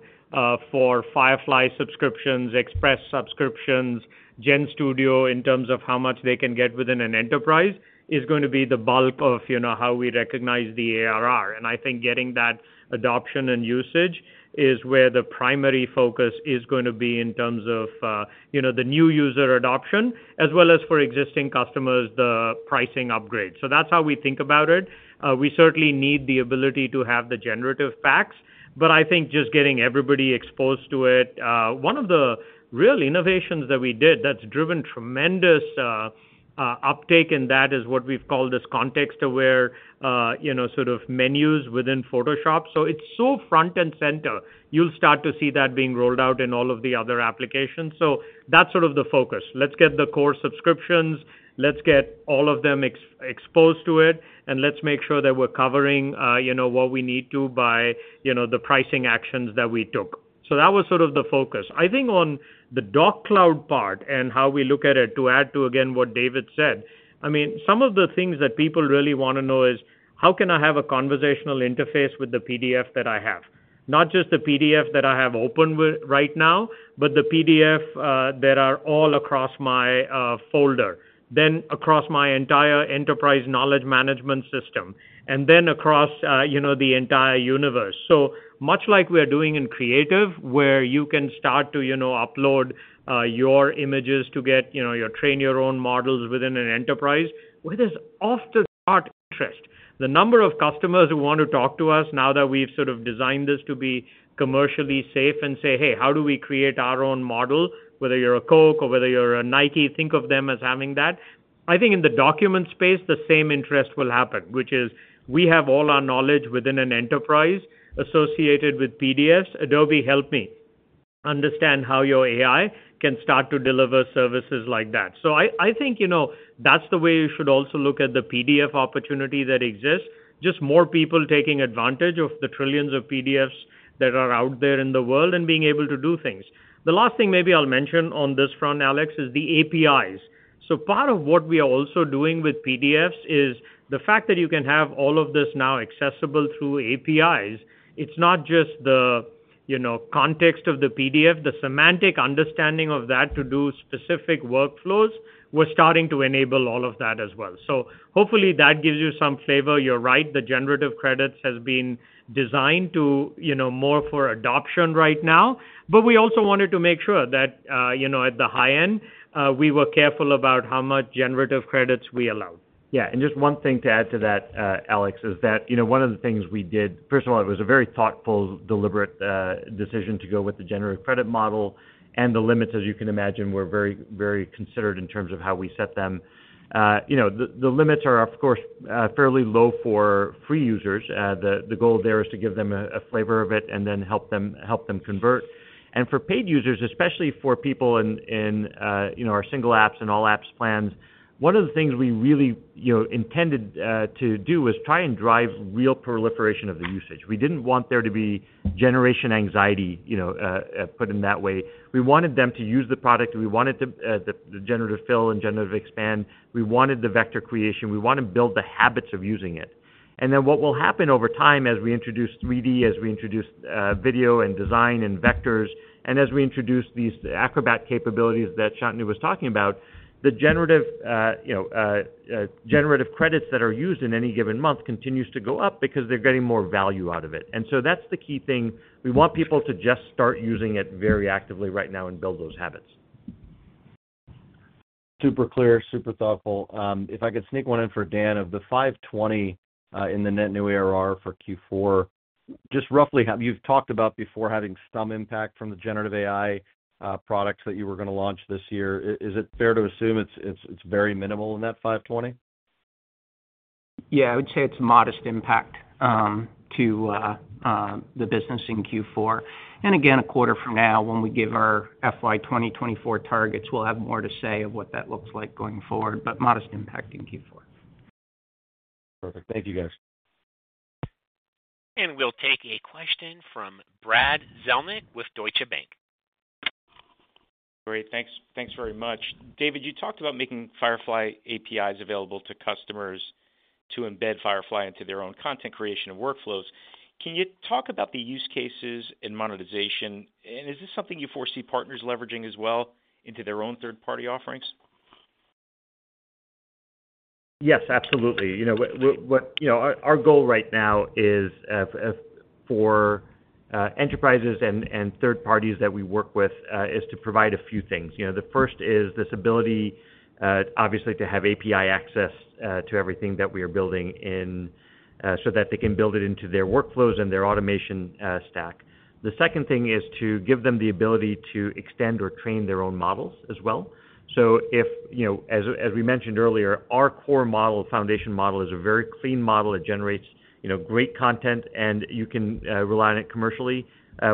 for Firefly subscriptions, Express subscriptions, GenStudio, in terms of how much they can get within an enterprise, is going to be the bulk of, you know, how we recognize the ARR. I think getting that adoption and usage is where the primary focus is going to be in terms of, you know, the new user adoption, as well as for existing customers, the pricing upgrade. So that's how we think about it. We certainly need the ability to have the generative AI, but I think just getting everybody exposed to it. One of the real innovations that we did that's driven tremendous uptake, and that is what we've called this context-aware, you know, sort of menus within Photoshop. So it's so front and center. You'll start to see that being rolled out in all of the other applications. So that's sort of the focus. Let's get the core subscriptions, let's get all of them exposed to it, and let's make sure that we're covering, you know, what we need to by, you know, the pricing actions that we took. So that was sort of the focus. I think on the Doc Cloud part and how we look at it, to add to, again, what David said, I mean, some of the things that people really wanna know is: How can I have a conversational interface with the PDF that I have? Not just the PDF that I have open with right now, but the PDF that are all across my folder, then across my entire enterprise knowledge management system, and then across, you know, the entire universe. So much like we are doing in Creative, where you can start to, you know, upload your images to get, you know, you train your own models within an enterprise, well, there's off-the-chart interest. The number of customers who want to talk to us now that we've sort of designed this to be commercially safe and say, "Hey, how do we create our own model?" Whether you're a Coke or whether you're a Nike, think of them as having that. I think in the document space, the same interest will happen, which is we have all our knowledge within an enterprise associated with PDFs. Adobe, help me understand how your AI can start to deliver services like that. So I, I think, you know, that's the way you should also look at the PDF opportunity that exists, just more people taking advantage of the trillions of PDFs that are out there in the world and being able to do things. The last thing maybe I'll mention on this front, Alex, is the APIs. So part of what we are also doing with PDFs is the fact that you can have all of this now accessible through APIs. It's not just the, you know, context of the PDF, the semantic understanding of that to do specific workflows; we're starting to enable all of that as well. So hopefully, that gives you some flavor. You're right, generative credits has been designed to, you know, more for adoption right now. But we also wanted to make sure that, you know, at the high end, we were careful about how generative credits we allowed. Yeah, and just one thing to add to that, Alex, is that, you know, one of the things we did. First of all, it was a very thoughtful, deliberate, decision to go with the generative credit model, and the limits, as you can imagine, were very, very considered in terms of how we set them. You know, the limits are, of course, fairly low for free users. The goal there is to give them a flavor of it and then help them convert. And for paid users, especially for people in, you know, our Single Apps and All Apps plans, one of the things we really, you know, intended to do was try and drive real proliferation of the usage. We didn't want there to be generation anxiety, you know, put in that way. We wanted them to use the product. We wanted the, the Generative Fill and Generative Expand. We wanted the vector creation. We want to build the habits of using it. And then what will happen over time, as we introduce 3D, as we introduce, video and design and vectors, and as we introduce these Acrobat capabilities that Shantanu was talking about, the generative, you know, generative credits that are used in any given month continues to go up because they're getting more value out of it. And so that's the key thing. We want people to just start using it very actively right now and build those habits. Super clear, super thoughtful. If I could sneak one in for Dan, of the $520 million in the net new ARR for Q4, just roughly how you've talked about before having some impact from the generative AI products that you were gonna launch this year. Is it fair to assume it's very minimal in that $520 million? Yeah, I would say it's a modest impact to the business in Q4. And again, a quarter from now, when we give our FY 2024 targets, we'll have more to say of what that looks like going forward, but modest impact in Q4. Perfect. Thank you, guys. We'll take a question from Brad Zelnick with Deutsche Bank. Great. Thanks, thanks very much. David, you talked about making Firefly APIs available to customers to embed Firefly into their own content creation and workflows. Can you talk about the use cases and monetization, and is this something you foresee partners leveraging as well into their own third-party offerings? Yes, absolutely. You know, our goal right now is for enterprises and third parties that we work with is to provide a few things. You know, the first is this ability, obviously, to have API access to everything that we are building in, so that they can build it into their workflows and their automation stack. The second thing is to give them the ability to extend or train their own models as well. So if, you know, as we mentioned earlier, our core model, Foundation Model, is a very clean model. It generates, you know, great content, and you can rely on it commercially.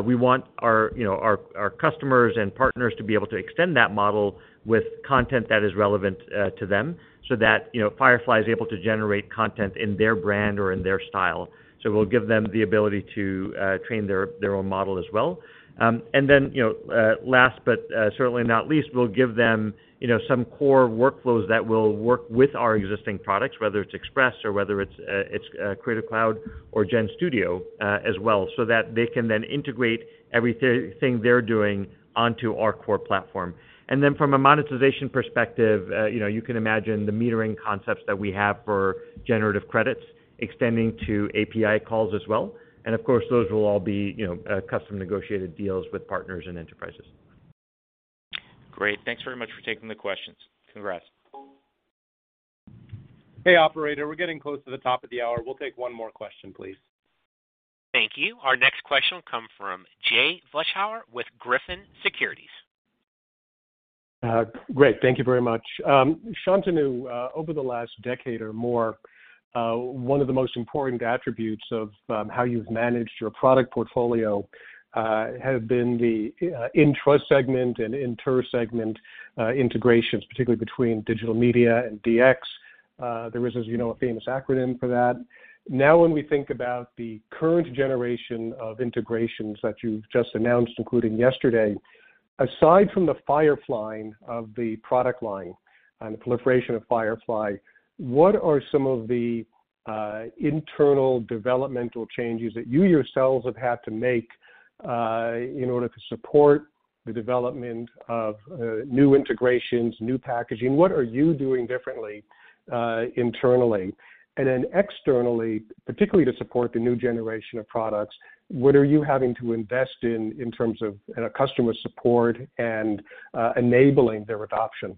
We want our, you know, our customers and partners to be able to extend that model with content that is relevant to them, so that, you know, Firefly is able to generate content in their brand or in their style. So we'll give them the ability to train their own model as well. And then, you know, last but certainly not least, we'll give them, you know, some core workflows that will work with our existing products, whether it's Express or whether it's Creative Cloud or GenStudio as well, so that they can then integrate everything they're doing onto our core platform. And then from a monetization perspective, you know, you can imagine the metering concepts that we have generative credits extending to API calls as well. Of course, those will all be, you know, custom negotiated deals with partners and enterprises. Great. Thanks very much for taking the questions. Congrats. Hey, operator, we're getting close to the top of the hour. We'll take one more question, please. Thank you. Our next question will come from Jay Vleeschhouwer with Griffin Securities. Great. Thank you very much. Shantanu, over the last decade or more, one of the most important attributes of, how you've managed your product portfolio, have been the, intra-segment and inter-segment, integrations, particularly between Digital Media and DX. There is, as you know, a famous acronym for that. Now, when we think about the current generation of integrations that you've just announced, including yesterday, aside from the Firefly of the product line and the proliferation of Firefly, what are some of the, internal developmental changes that you yourselves have had to make, in order to support the development of, new integrations, new packaging? What are you doing differently, internally? Then externally, particularly to support the new generation of products, what are you having to invest in, in terms of, you know, customer support and enabling their adoption?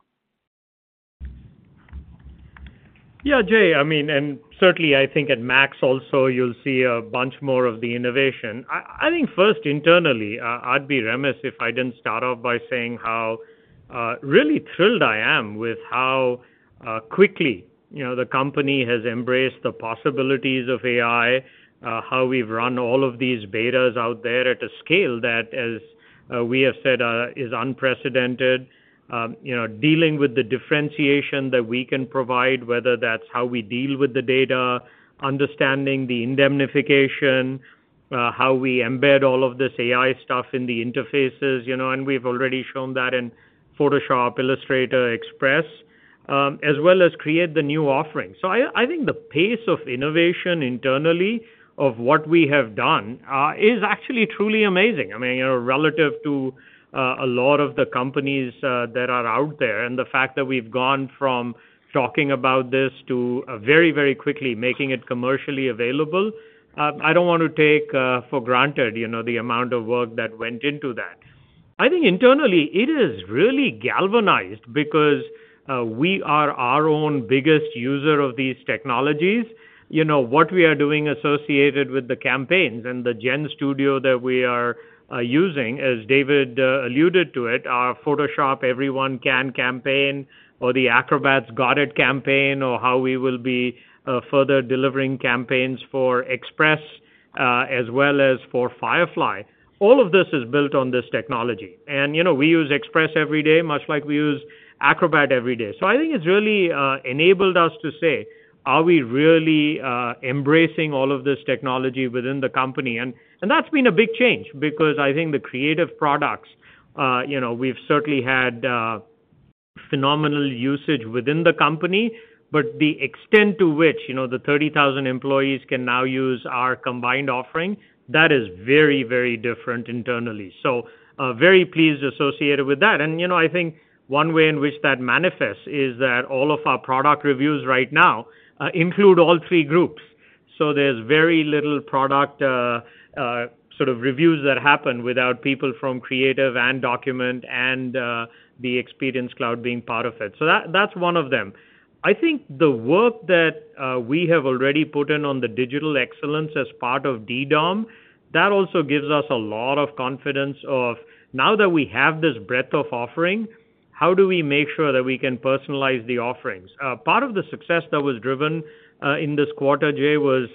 Yeah, Jay, I mean, and certainly I think at MAX also, you'll see a bunch more of the innovation. I think first, internally, I'd be remiss if I didn't start off by saying how really thrilled I am with how quickly, you know, the company has embraced the possibilities of AI, how we've run all of these betas out there at a scale that, as we have said, is unprecedented. You know, dealing with the differentiation that we can provide, whether that's how we deal with the data, understanding the indemnification, how we embed all of this AI stuff in the interfaces, you know, and we've already shown that in Photoshop, Illustrator, Express, as well as Creative, the new offerings. So I think the pace of innovation internally of what we have done is actually truly amazing. I mean, you know, relative to a lot of the companies that are out there, and the fact that we've gone from talking about this to very, very quickly making it commercially available, I don't want to take for granted, you know, the amount of work that went into that. I think internally it is really galvanized because we are our own biggest user of these technologies. You know, what we are doing associated with the campaigns and the GenStudio that we are using, as David alluded to it, our Photoshop Everyone Can campaign, or the Acrobat's Got It campaign, or how we will be further delivering campaigns for Express, as well as for Firefly. All of this is built on this technology, and, you know, we use Express every day, much like we use Acrobat every day. So I think it's really enabled us to say: Are we really embracing all of this technology within the company? And that's been a big change because I think the creative products, you know, we've certainly had phenomenal usage within the company, but the extent to which, you know, the 30,000 employees can now use our combined offering, that is very, very different internally. So very pleased associated with that. And, you know, I think one way in which that manifests is that all of our product reviews right now include all three groups. So there's very little product sort of reviews that happen without people from Creative and Document and the Experience Cloud being part of it. So that, that's one of them. I think the work that we have already put in on the digital excellence as part of DDOM, that also gives us a lot of confidence of, now that we have this breadth of offering, how do we make sure that we can personalize the offerings? Part of the success that was driven in this quarter, Jay, was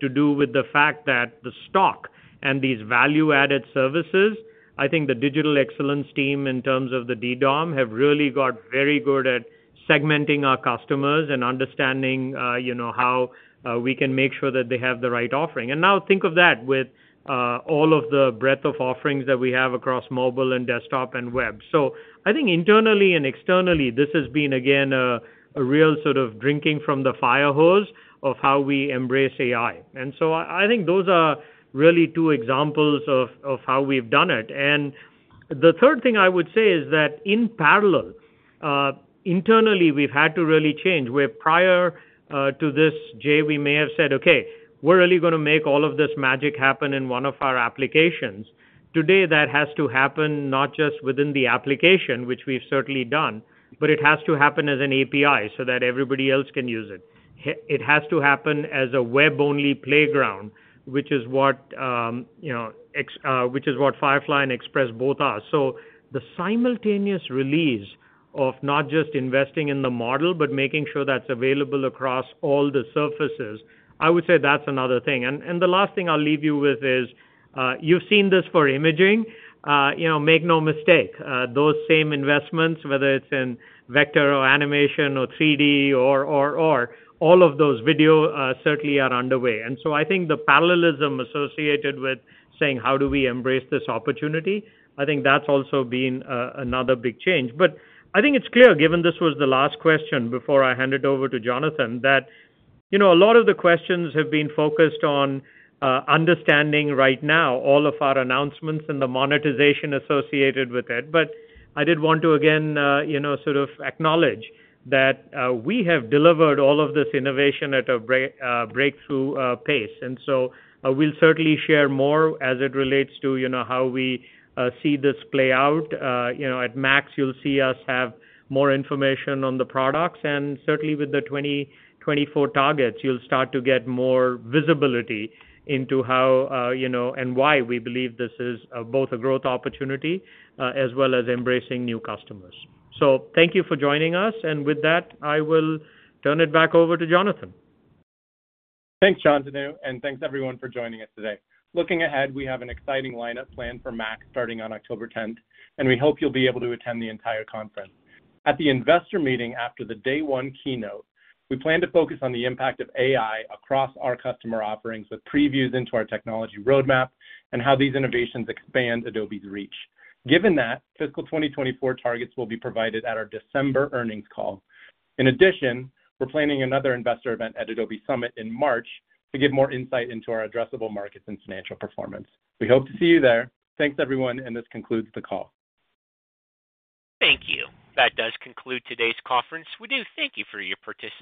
to do with the fact that the stock and these value-added services, I think the digital excellence team, in terms of the DDOM, have really got very good at segmenting our customers and understanding, you know, how we can make sure that they have the right offering. And now think of that with all of the breadth of offerings that we have across mobile and desktop and web. So I think internally and externally, this has been, again, a real sort of drinking from the fire hose of how we embrace AI. And so I think those are really two examples of how we've done it. The third thing I would say is that in parallel, internally, we've had to really change, where prior to this, Jay, we may have said, "Okay, we're really going to make all of this magic happen in one of our applications." Today, that has to happen not just within the application, which we've certainly done, but it has to happen as an API so that everybody else can use it. It has to happen as a web-only playground, which is what you know which is what Firefly and Express both are. So the simultaneous release of not just investing in the model, but making sure that's available across all the surfaces, I would say that's another thing. And the last thing I'll leave you with is, you've seen this for imaging. You know, make no mistake, those same investments, whether it's in vector or animation or 3D or all of those video, certainly are underway. And so I think the parallelism associated with saying, "How do we embrace this opportunity?" I think that's also been another big change. But I think it's clear, given this was the last question before I hand it over to Jonathan, that you know, a lot of the questions have been focused on understanding right now all of our announcements and the monetization associated with it. But I did want to, again, you know, sort of acknowledge that, we have delivered all of this innovation at a breakthrough pace. And so, we'll certainly share more as it relates to, you know, how we see this play out. You know, at MAX, you'll see us have more information on the products, and certainly with the 2024 targets, you'll start to get more visibility into how, you know, and why we believe this is, both a growth opportunity, as well as embracing new customers. So thank you for joining us, and with that, I will turn it back over to Jonathan. Thanks, Shantanu, and thanks, everyone, for joining us today. Looking ahead, we have an exciting lineup planned for MAX, starting on October 10th, and we hope you'll be able to attend the entire conference. At the investor meeting after the day one keynote, we plan to focus on the impact of AI across our customer offerings, with previews into our technology roadmap and how these innovations expand Adobe's reach. Given that, fiscal 2024 targets will be provided at our December earnings call. In addition, we're planning another investor event at Adobe Summit in March to give more insight into our addressable markets and financial performance. We hope to see you there. Thanks, everyone, and this concludes the call. Thank you. That does conclude today's conference. We do thank you for your participation.